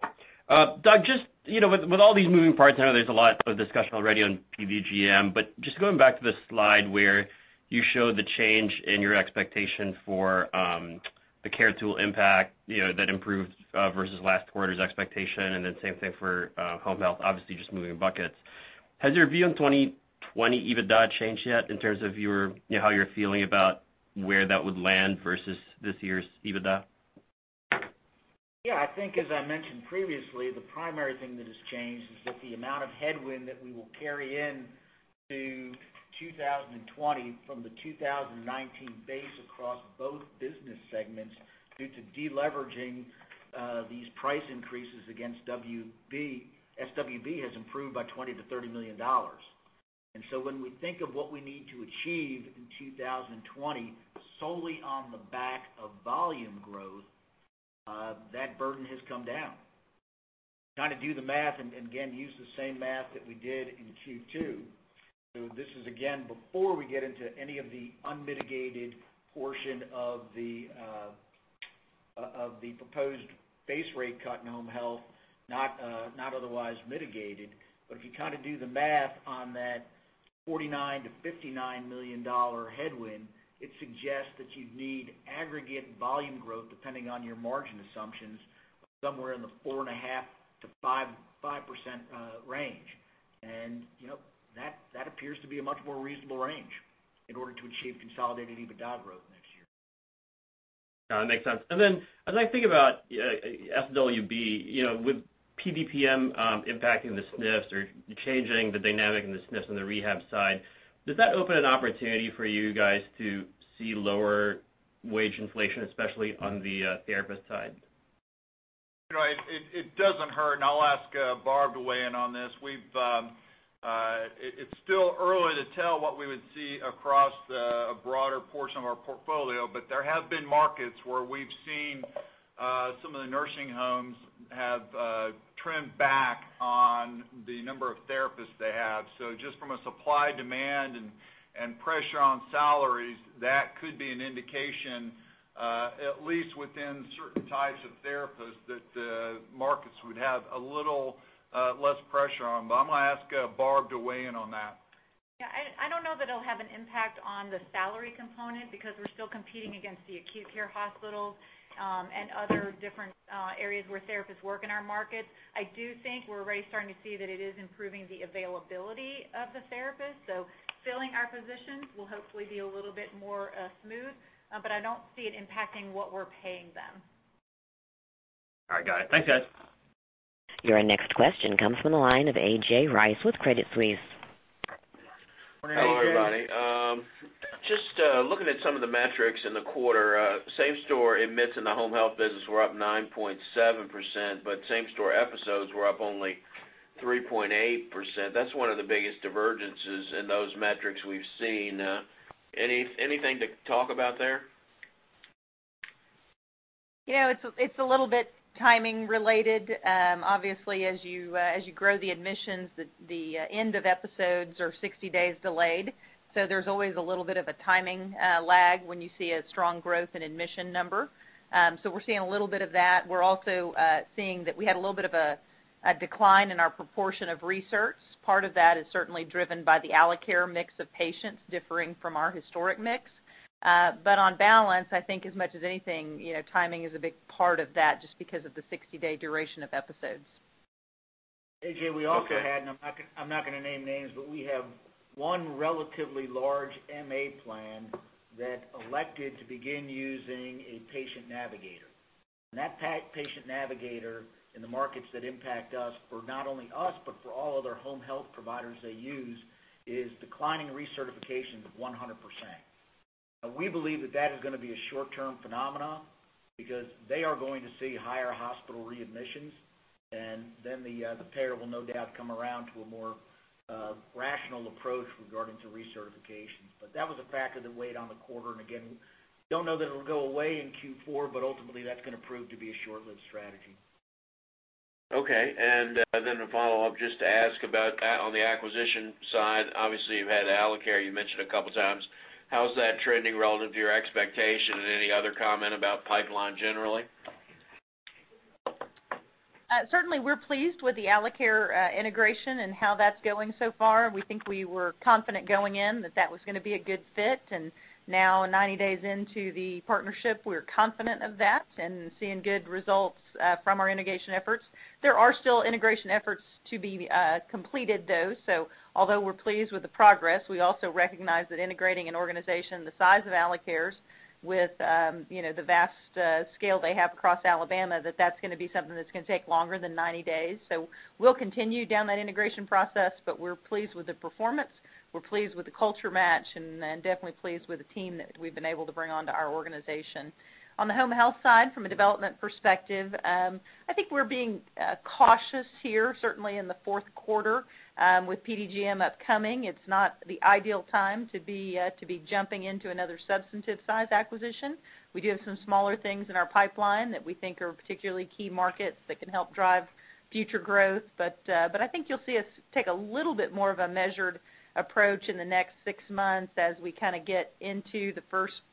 Doug, just with all these moving parts, I know there's a lot of discussion already on PDGM, but just going back to the slide where you showed the change in your expectation for the CARE Tool impact that improved versus last quarter's expectation, and then same thing for Home Health, obviously just moving buckets. Has your view on 2020 EBITDA changed yet in terms of how you're feeling about where that would land versus this year's EBITDA? Yeah, I think as I mentioned previously, the primary thing that has changed is that the amount of headwind that we will carry into 2020 from the 2019 base across both business segments due to de-leveraging these price increases against SWB has improved by $20 million-$30 million. When we think of what we need to achieve in 2020 solely on the back of volume growth, that burden has come down. Trying to do the math, and again, use the same math that we did in Q2. This is again, before we get into any of the unmitigated portion of the proposed base rate cut in home health, not otherwise mitigated. If you do the math on that $49 million-$59 million headwind, it suggests that you'd need aggregate volume growth, depending on your margin assumptions, somewhere in the 4.5%-5% range. That appears to be a much more reasonable range in order to achieve consolidated EBITDA growth next year. No, it makes sense. As I think about SWB, with PDPM impacting the SNFs or changing the dynamic in the SNFs on the rehab side, does that open an opportunity for you guys to see lower wage inflation, especially on the therapist side? It doesn't hurt. I'll ask Barb to weigh in on this. It's still early to tell what we would see across a broader portion of our portfolio. There have been markets where we've seen some of the nursing homes have trimmed back on the number of therapists they have. Just from a supply-demand and pressure on salaries, that could be an indication, at least within certain types of therapists, that the markets would have a little less pressure on. I'm going to ask Barb to weigh in on that. Yeah, I don't know that it'll have an impact on the salary component because we're still competing against the acute care hospitals, and other different areas where therapists work in our markets. I do think we're already starting to see that it is improving the availability of the therapists. Filling our positions will hopefully be a little bit more smooth. I don't see it impacting what we're paying them. All right, got it. Thanks, guys. Your next question comes from the line of A.J. Rice with Credit Suisse. Good morning, AJ. Hello, everybody. Just looking at some of the metrics in the quarter, same-store admits in the home health business were up 9.7%, but same-store episodes were up only 3.8%. That's one of the biggest divergences in those metrics we've seen. Anything to talk about there? It's a little bit timing related. Obviously, as you grow the admissions, the end of episodes are 60 days delayed. There's always a little bit of a timing lag when you see a strong growth in admission number. We're seeing a little bit of that. We're also seeing that we had a little bit of a decline in our proportion of recerts. Part of that is certainly driven by the Alacare mix of patients differing from our historic mix. On balance, I think as much as anything, timing is a big part of that, just because of the 60-day duration of episodes. A.J., we also had, and I'm not going to name names, but we have one relatively large MA plan that elected to begin using a patient navigator. That patient navigator in the markets that impact us for not only us, but for all other home health providers they use, is declining recertifications of 100%. We believe that that is going to be a short-term phenomenon because they are going to see higher hospital readmissions, and then the payer will no doubt come around to a more rational approach regarding recertifications. That was a factor that weighed on the quarter, and again, don't know that it'll go away in Q4, but ultimately that's going to prove to be a short-lived strategy. Okay. To follow up, just to ask about on the acquisition side, obviously you've had Alacare, you mentioned a couple of times. How's that trending relative to your expectation, and any other comment about pipeline generally? Certainly, we're pleased with the Alacare integration and how that's going so far. We think we were confident going in that was going to be a good fit. Now 90 days into the partnership, we're confident of that and seeing good results from our integration efforts. There are still integration efforts to be completed, though. Although we're pleased with the progress, we also recognize that integrating an organization the size of Alacare's with the vast scale they have across Alabama, that's going to be something that's going to take longer than 90 days. We'll continue down that integration process, but we're pleased with the performance. We're pleased with the culture match, and definitely pleased with the team that we've been able to bring onto our organization. On the home health side, from a development perspective, I think we're being cautious here, certainly in the fourth quarter. With PDGM upcoming, it's not the ideal time to be jumping into another substantive size acquisition. We do have some smaller things in our pipeline that we think are particularly key markets that can help drive future growth. I think you'll see us take a little bit more of a measured approach in the next six months as we get into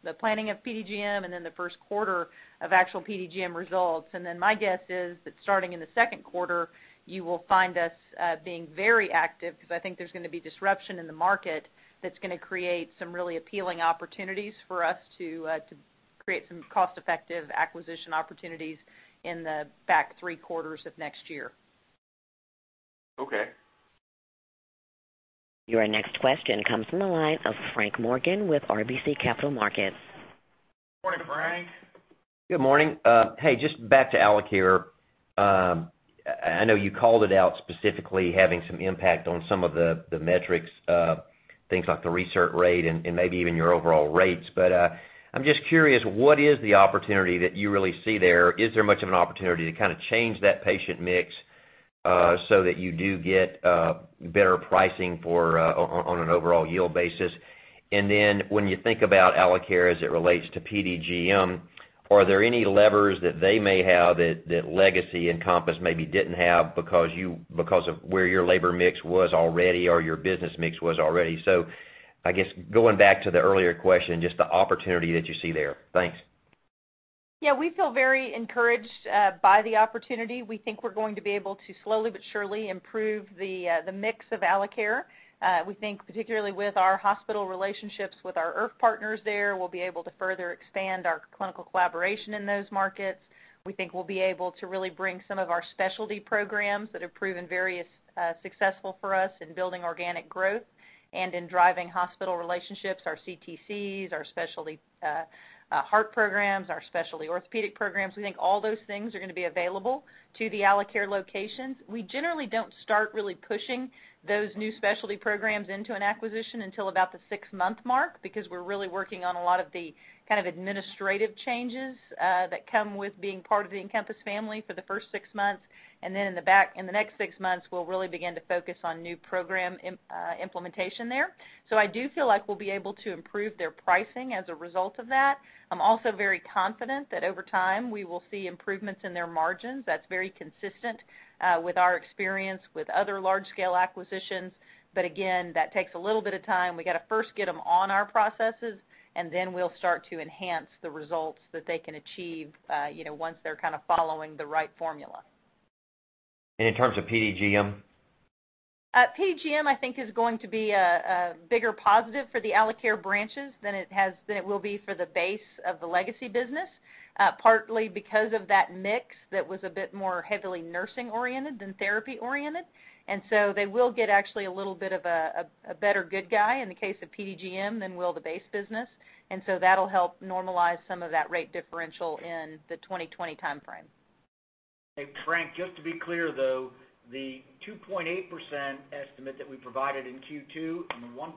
the planning of PDGM and then the first quarter of actual PDGM results. My guess is that starting in the second quarter, you will find us being very active because I think there's going to be disruption in the market that's going to create some really appealing opportunities for us to create some cost-effective acquisition opportunities in the back three quarters of next year. Okay. Your next question comes from the line of Frank Morgan with RBC Capital Markets. Morning, Frank. Good morning. Hey, just back to Alacare. I know you called it out specifically having some impact on some of the metrics, things like the recert rate and maybe even your overall rates. I'm just curious, what is the opportunity that you really see there? Is there much of an opportunity to change that patient mix so that you do get better pricing on an overall yield basis? When you think about Alacare as it relates to PDGM, are there any levers that they may have that Legacy Encompass maybe didn't have because of where your labor mix was already or your business mix was already? I guess going back to the earlier question, just the opportunity that you see there. Thanks. Yeah, we feel very encouraged by the opportunity. We think we're going to be able to slowly but surely improve the mix of Alacare. We think particularly with our hospital relationships, with our IRF partners there, we'll be able to further expand our clinical collaboration in those markets. We think we'll be able to really bring some of our specialty programs that have proven very successful for us in building organic growth and in driving hospital relationships, our CTCs, our specialty heart programs, our specialty orthopedic programs. We think all those things are going to be available to the Alacare locations. We generally don't start really pushing those new specialty programs into an acquisition until about the six-month mark, because we're really working on a lot of the kind of administrative changes that come with being part of the Encompass family for the first six months. In the next 6 months, we'll really begin to focus on new program implementation there. I do feel like we'll be able to improve their pricing as a result of that. I'm also very confident that over time, we will see improvements in their margins. That's very consistent with our experience with other large-scale acquisitions. Again, that takes a little bit of time. We got to first get them on our processes, and then we'll start to enhance the results that they can achieve once they're kind of following the right formula. In terms of PDGM? PDGM, I think is going to be a bigger positive for the Alacare branches than it will be for the base of the legacy business. Partly because of that mix that was a bit more heavily nursing-oriented than therapy-oriented. They will get actually a little bit of a better good guy in the case of PDGM than will the base business. That'll help normalize some of that rate differential in the 2020 timeframe. Hey, Frank, just to be clear, though, the 2.8% estimate that we provided in Q2 and the 1%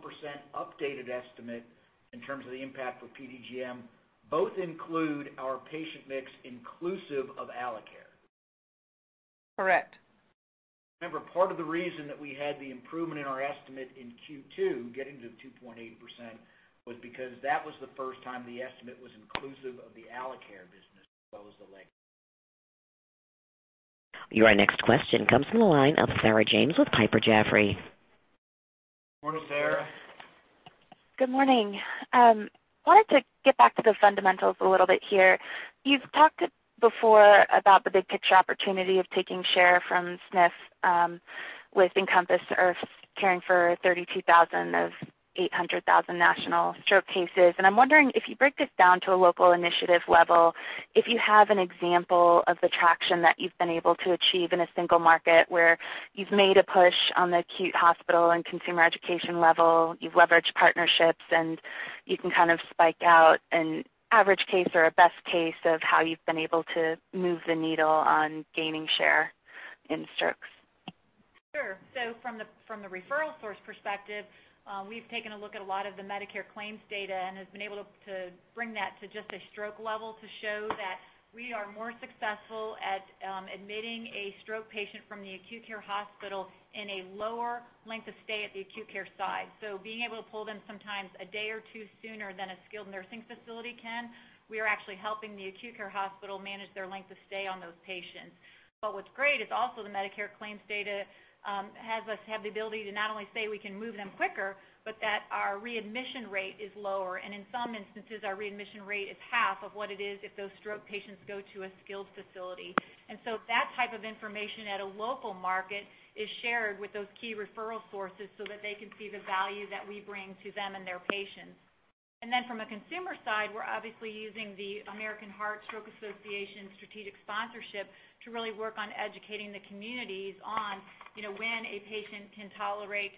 updated estimate in terms of the impact for PDGM, both include our patient mix inclusive of Alacare. Correct. Remember, part of the reason that we had the improvement in our estimate in Q2 getting to 2.8% was because that was the first time the estimate was inclusive of the Alacare business as well as the Legacy. Your next question comes from the line of Sarah James with Piper Jaffray. Morning, Sarah. Good morning. Wanted to get back to the fundamentals a little bit here. You've talked before about the big picture opportunity of taking share from SNF with Encompass or caring for 32,000 of 800,000 national stroke cases. I'm wondering if you break this down to a local initiative level, if you have an example of the traction that you've been able to achieve in a single market where you've made a push on the acute hospital and consumer education level, you've leveraged partnerships, and you can kind of spike out an average case or a best case of how you've been able to move the needle on gaining share in strokes. Sure. From the referral source perspective, we've taken a look at a lot of the Medicare claims data and have been able to bring that to just a stroke level to show that we are more successful at admitting a stroke patient from the acute care hospital in a lower length of stay at the acute care side. Being able to pull them sometimes a day or two sooner than a skilled nursing facility can, we are actually helping the acute care hospital manage their length of stay on those patients. What's great is also the Medicare claims data has us have the ability to not only say we can move them quicker, but that our readmission rate is lower, and in some instances, our readmission rate is half of what it is if those stroke patients go to a skilled facility. That type of information at a local market is shared with those key referral sources so that they can see the value that we bring to them and their patients. From a consumer side, we're obviously using the American Heart/Stroke Association strategic sponsorship to really work on educating the communities on when a patient can tolerate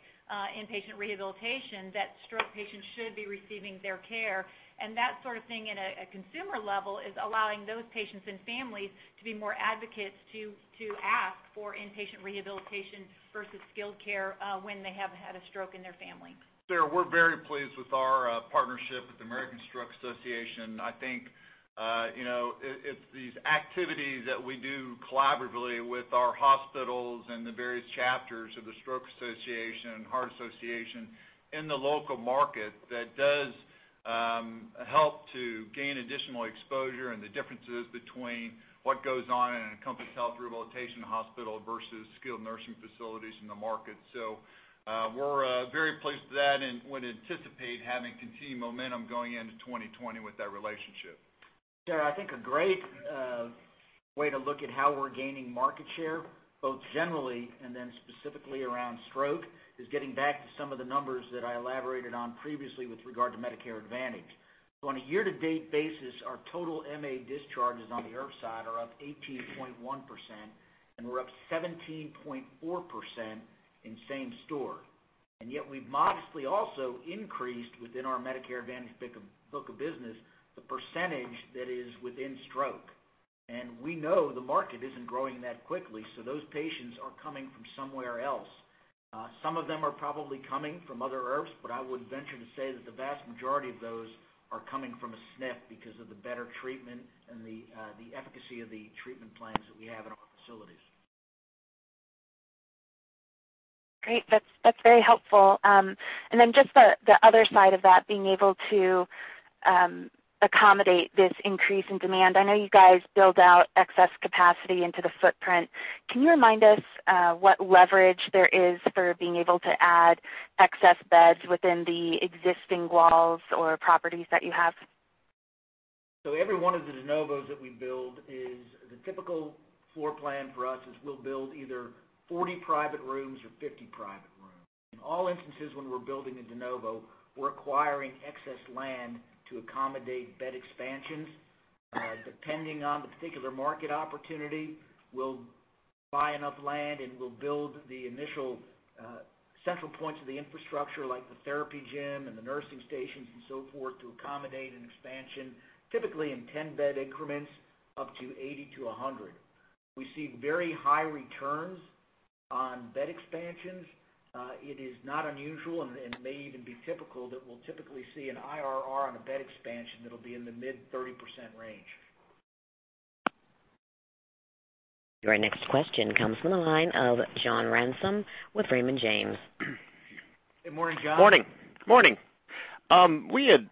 inpatient rehabilitation, that stroke patients should be receiving their care. That sort of thing at a consumer level is allowing those patients and families to be more advocates to ask for inpatient rehabilitation versus skilled care, when they have had a stroke in their family. Sarah, we're very pleased with our partnership with the American Stroke Association. I think it's these activities that we do collaboratively with our hospitals and the various chapters of the Stroke Association and Heart Association in the local market that does help to gain additional exposure in the differences between what goes on in Encompass Health Rehabilitation Hospital versus skilled nursing facilities in the market. We're very pleased with that and would anticipate having continued momentum going into 2020 with that relationship. Sarah, I think a great way to look at how we're gaining market share, both generally and then specifically around stroke, is getting back to some of the numbers that I elaborated on previously with regard to Medicare Advantage. On a year-to-date basis, our total MA discharges on the IRF side are up 18.1%, and we're up 17.4% in same store. Yet we've modestly also increased within our Medicare Advantage book of business, the percentage that is within stroke. We know the market isn't growing that quickly, so those patients are coming from somewhere else. Some of them are probably coming from other IRFs, but I would venture to say that the vast majority of those are coming from a SNF because of the better treatment and the efficacy of the treatment plans that we have in our facilities. Great. That's very helpful. Just the other side of that, being able to accommodate this increase in demand. I know you guys build out excess capacity into the footprint. Can you remind us what leverage there is for being able to add excess beds within the existing walls or properties that you have? Every one of the de novos that we build, the typical floor plan for us is we'll build either 40 private rooms or 50 private rooms. In all instances when we're building a de novo, we're acquiring excess land to accommodate bed expansions. Depending on the particular market opportunity, we'll buy enough land, and we'll build the initial central points of the infrastructure, like the therapy gym and the nursing stations and so forth, to accommodate an expansion, typically in 10-bed increments, up to 80 to 100. We see very high returns on bed expansions. It is not unusual and may even be typical, that we'll typically see an IRR on a bed expansion that'll be in the mid 30% range. Your next question comes from the line of John Ransom with Raymond James. Good morning, John. Morning. We had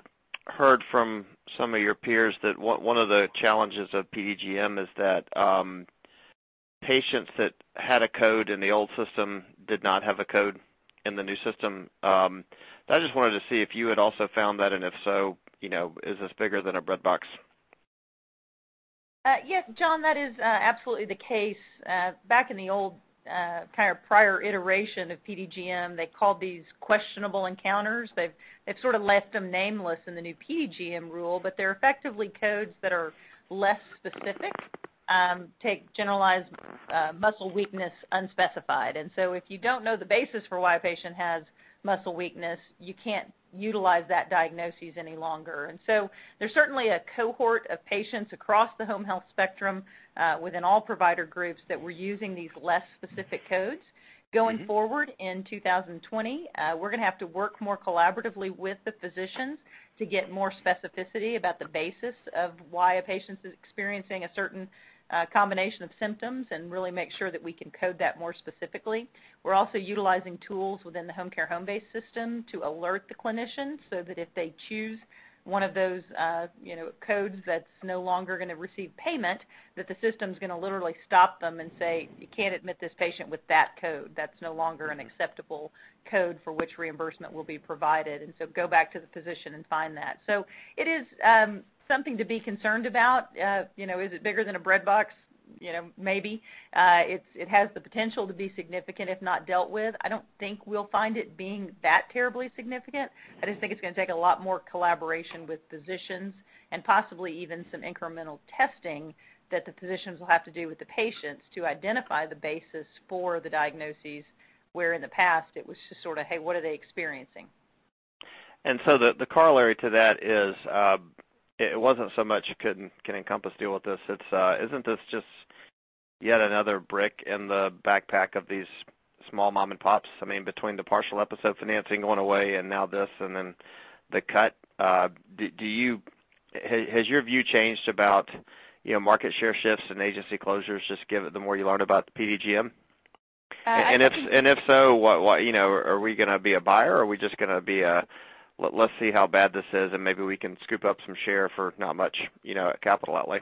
heard from some of your peers that one of the challenges of PDGM is that patients that had a code in the old system did not have a code in the new system. I just wanted to see if you had also found that, and if so, is this bigger than a breadbox? Yes, John, that is absolutely the case. Back in the old prior iteration of PDGM, they called these questionable encounters. They've sort of left them nameless in the new PDGM rule, but they're effectively codes that are less specific. Take generalized muscle weakness unspecified. If you don't know the basis for why a patient has muscle weakness, you can't utilize that diagnosis any longer. There's certainly a cohort of patients across the home health spectrum within all provider groups that were using these less specific codes. Going forward in 2020, we're going to have to work more collaboratively with the physicians to get more specificity about the basis of why a patient is experiencing a certain combination of symptoms and really make sure that we can code that more specifically. We're also utilizing tools within the HomeCare HomeBase system to alert the clinicians so that if they choose one of those codes that's no longer going to receive payment, that the system's going to literally stop them and say, "You can't admit this patient with that code. That's no longer an acceptable code for which reimbursement will be provided. Go back to the physician and find that." It is something to be concerned about. Is it bigger than a breadbox? Maybe. It has the potential to be significant if not dealt with. I don't think we'll find it being that terribly significant. I just think it's going to take a lot more collaboration with physicians and possibly even some incremental testing that the physicians will have to do with the patients to identify the basis for the diagnoses, where in the past it was just sort of, "Hey, what are they experiencing? The corollary to that is, it wasn't so much can Encompass deal with this, it's isn't this just yet another brick in the backpack of these small mom and pops? I mean, between the partial episode financing going away and now this and then the cut, has your view changed about market share shifts and agency closures, just given the more you learn about the PDGM? Uh- If so, are we going to be a buyer, or are we just going to be a let's see how bad this is and maybe we can scoop up some share for not much capital outlay?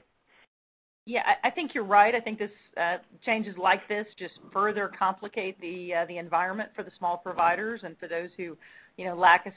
Yeah, I think you're right. I think changes like this just further complicate the environment for the small providers and for those who lack a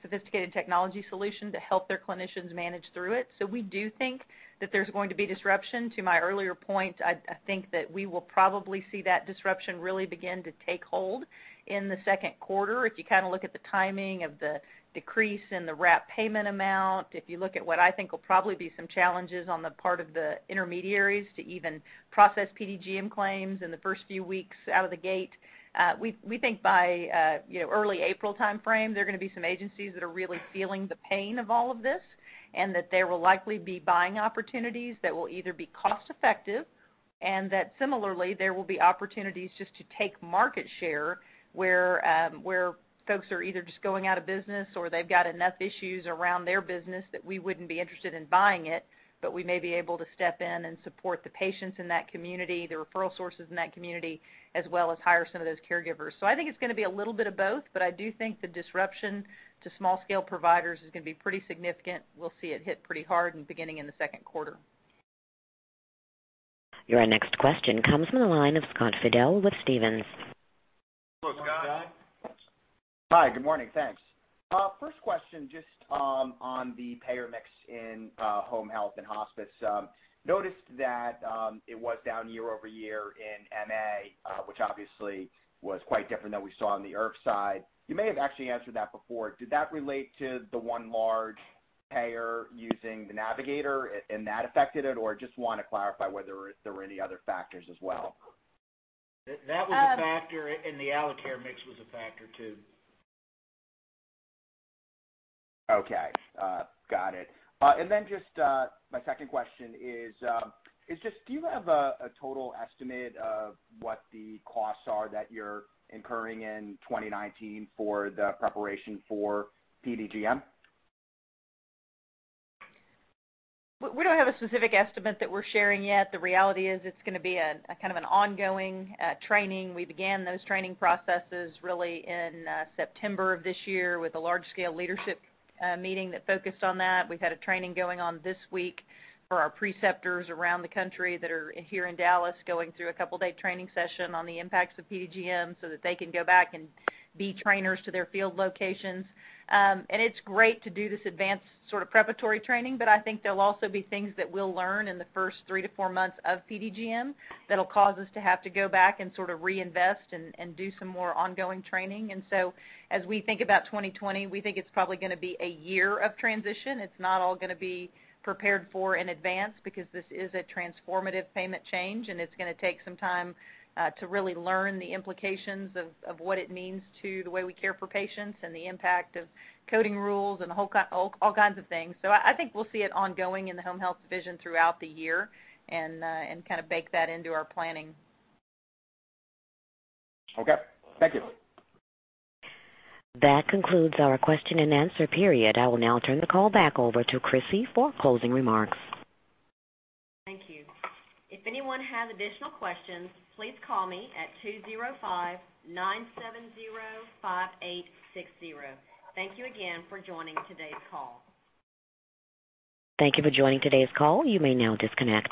sophisticated technology solution to help their clinicians manage through it. We do think that there's going to be disruption. To my earlier point, I think that we will probably see that disruption really begin to take hold in the second quarter. If you look at the timing of the decrease in the wrap payment amount, if you look at what I think will probably be some challenges on the part of the intermediaries to even process PDGM claims in the first few weeks out of the gate. We think by early April timeframe, there are going to be some agencies that are really feeling the pain of all of this, and that there will likely be buying opportunities that will either be cost-effective and that similarly, there will be opportunities just to take market share where folks are either just going out of business or they've got enough issues around their business that we wouldn't be interested in buying it, but we may be able to step in and support the patients in that community, the referral sources in that community, as well as hire some of those caregivers. I think it's going to be a little bit of both, but I do think the disruption to small-scale providers is going to be pretty significant. We'll see it hit pretty hard and beginning in the second quarter. Your next question comes from the line of Scott Fidel with Stephens. Hello, Scott. Hi, good morning. Thanks. First question, just on the payer mix in home health and hospice. Noticed that it was down year-over-year in MA, which obviously was quite different than we saw on the IRF side. You may have actually answered that before. Did that relate to the one large payer using the navigator and that affected it, or just want to clarify whether there were any other factors as well? Um- That was a factor, and the Alacare mix was a factor, too. Okay. Got it. Then just my second question is just, do you have a total estimate of what the costs are that you're incurring in 2019 for the preparation for PDGM? We don't have a specific estimate that we're sharing yet. The reality is it's going to be a kind of an ongoing training. We began those training processes really in September of this year with a large-scale leadership meeting that focused on that. We've had a training going on this week for our preceptors around the country that are here in Dallas, going through a couple day training session on the impacts of PDGM so that they can go back and be trainers to their field locations. It's great to do this advanced sort of preparatory training, but I think there'll also be things that we'll learn in the first three to four months of PDGM that'll cause us to have to go back and sort of reinvest and do some more ongoing training. As we think about 2020, we think it's probably gonna be a year of transition. It's not all gonna be prepared for in advance because this is a transformative payment change, and it's gonna take some time to really learn the implications of what it means to the way we care for patients and the impact of coding rules and all kinds of things. I think we'll see it ongoing in the home health division throughout the year and kind of bake that into our planning. Okay. Thank you. That concludes our question-and-answer period. I will now turn the call back over to Crissy for closing remarks. Thank you. If anyone has additional questions, please call me at 205-970-5860. Thank you again for joining today's call. Thank you for joining today's call. You may now disconnect.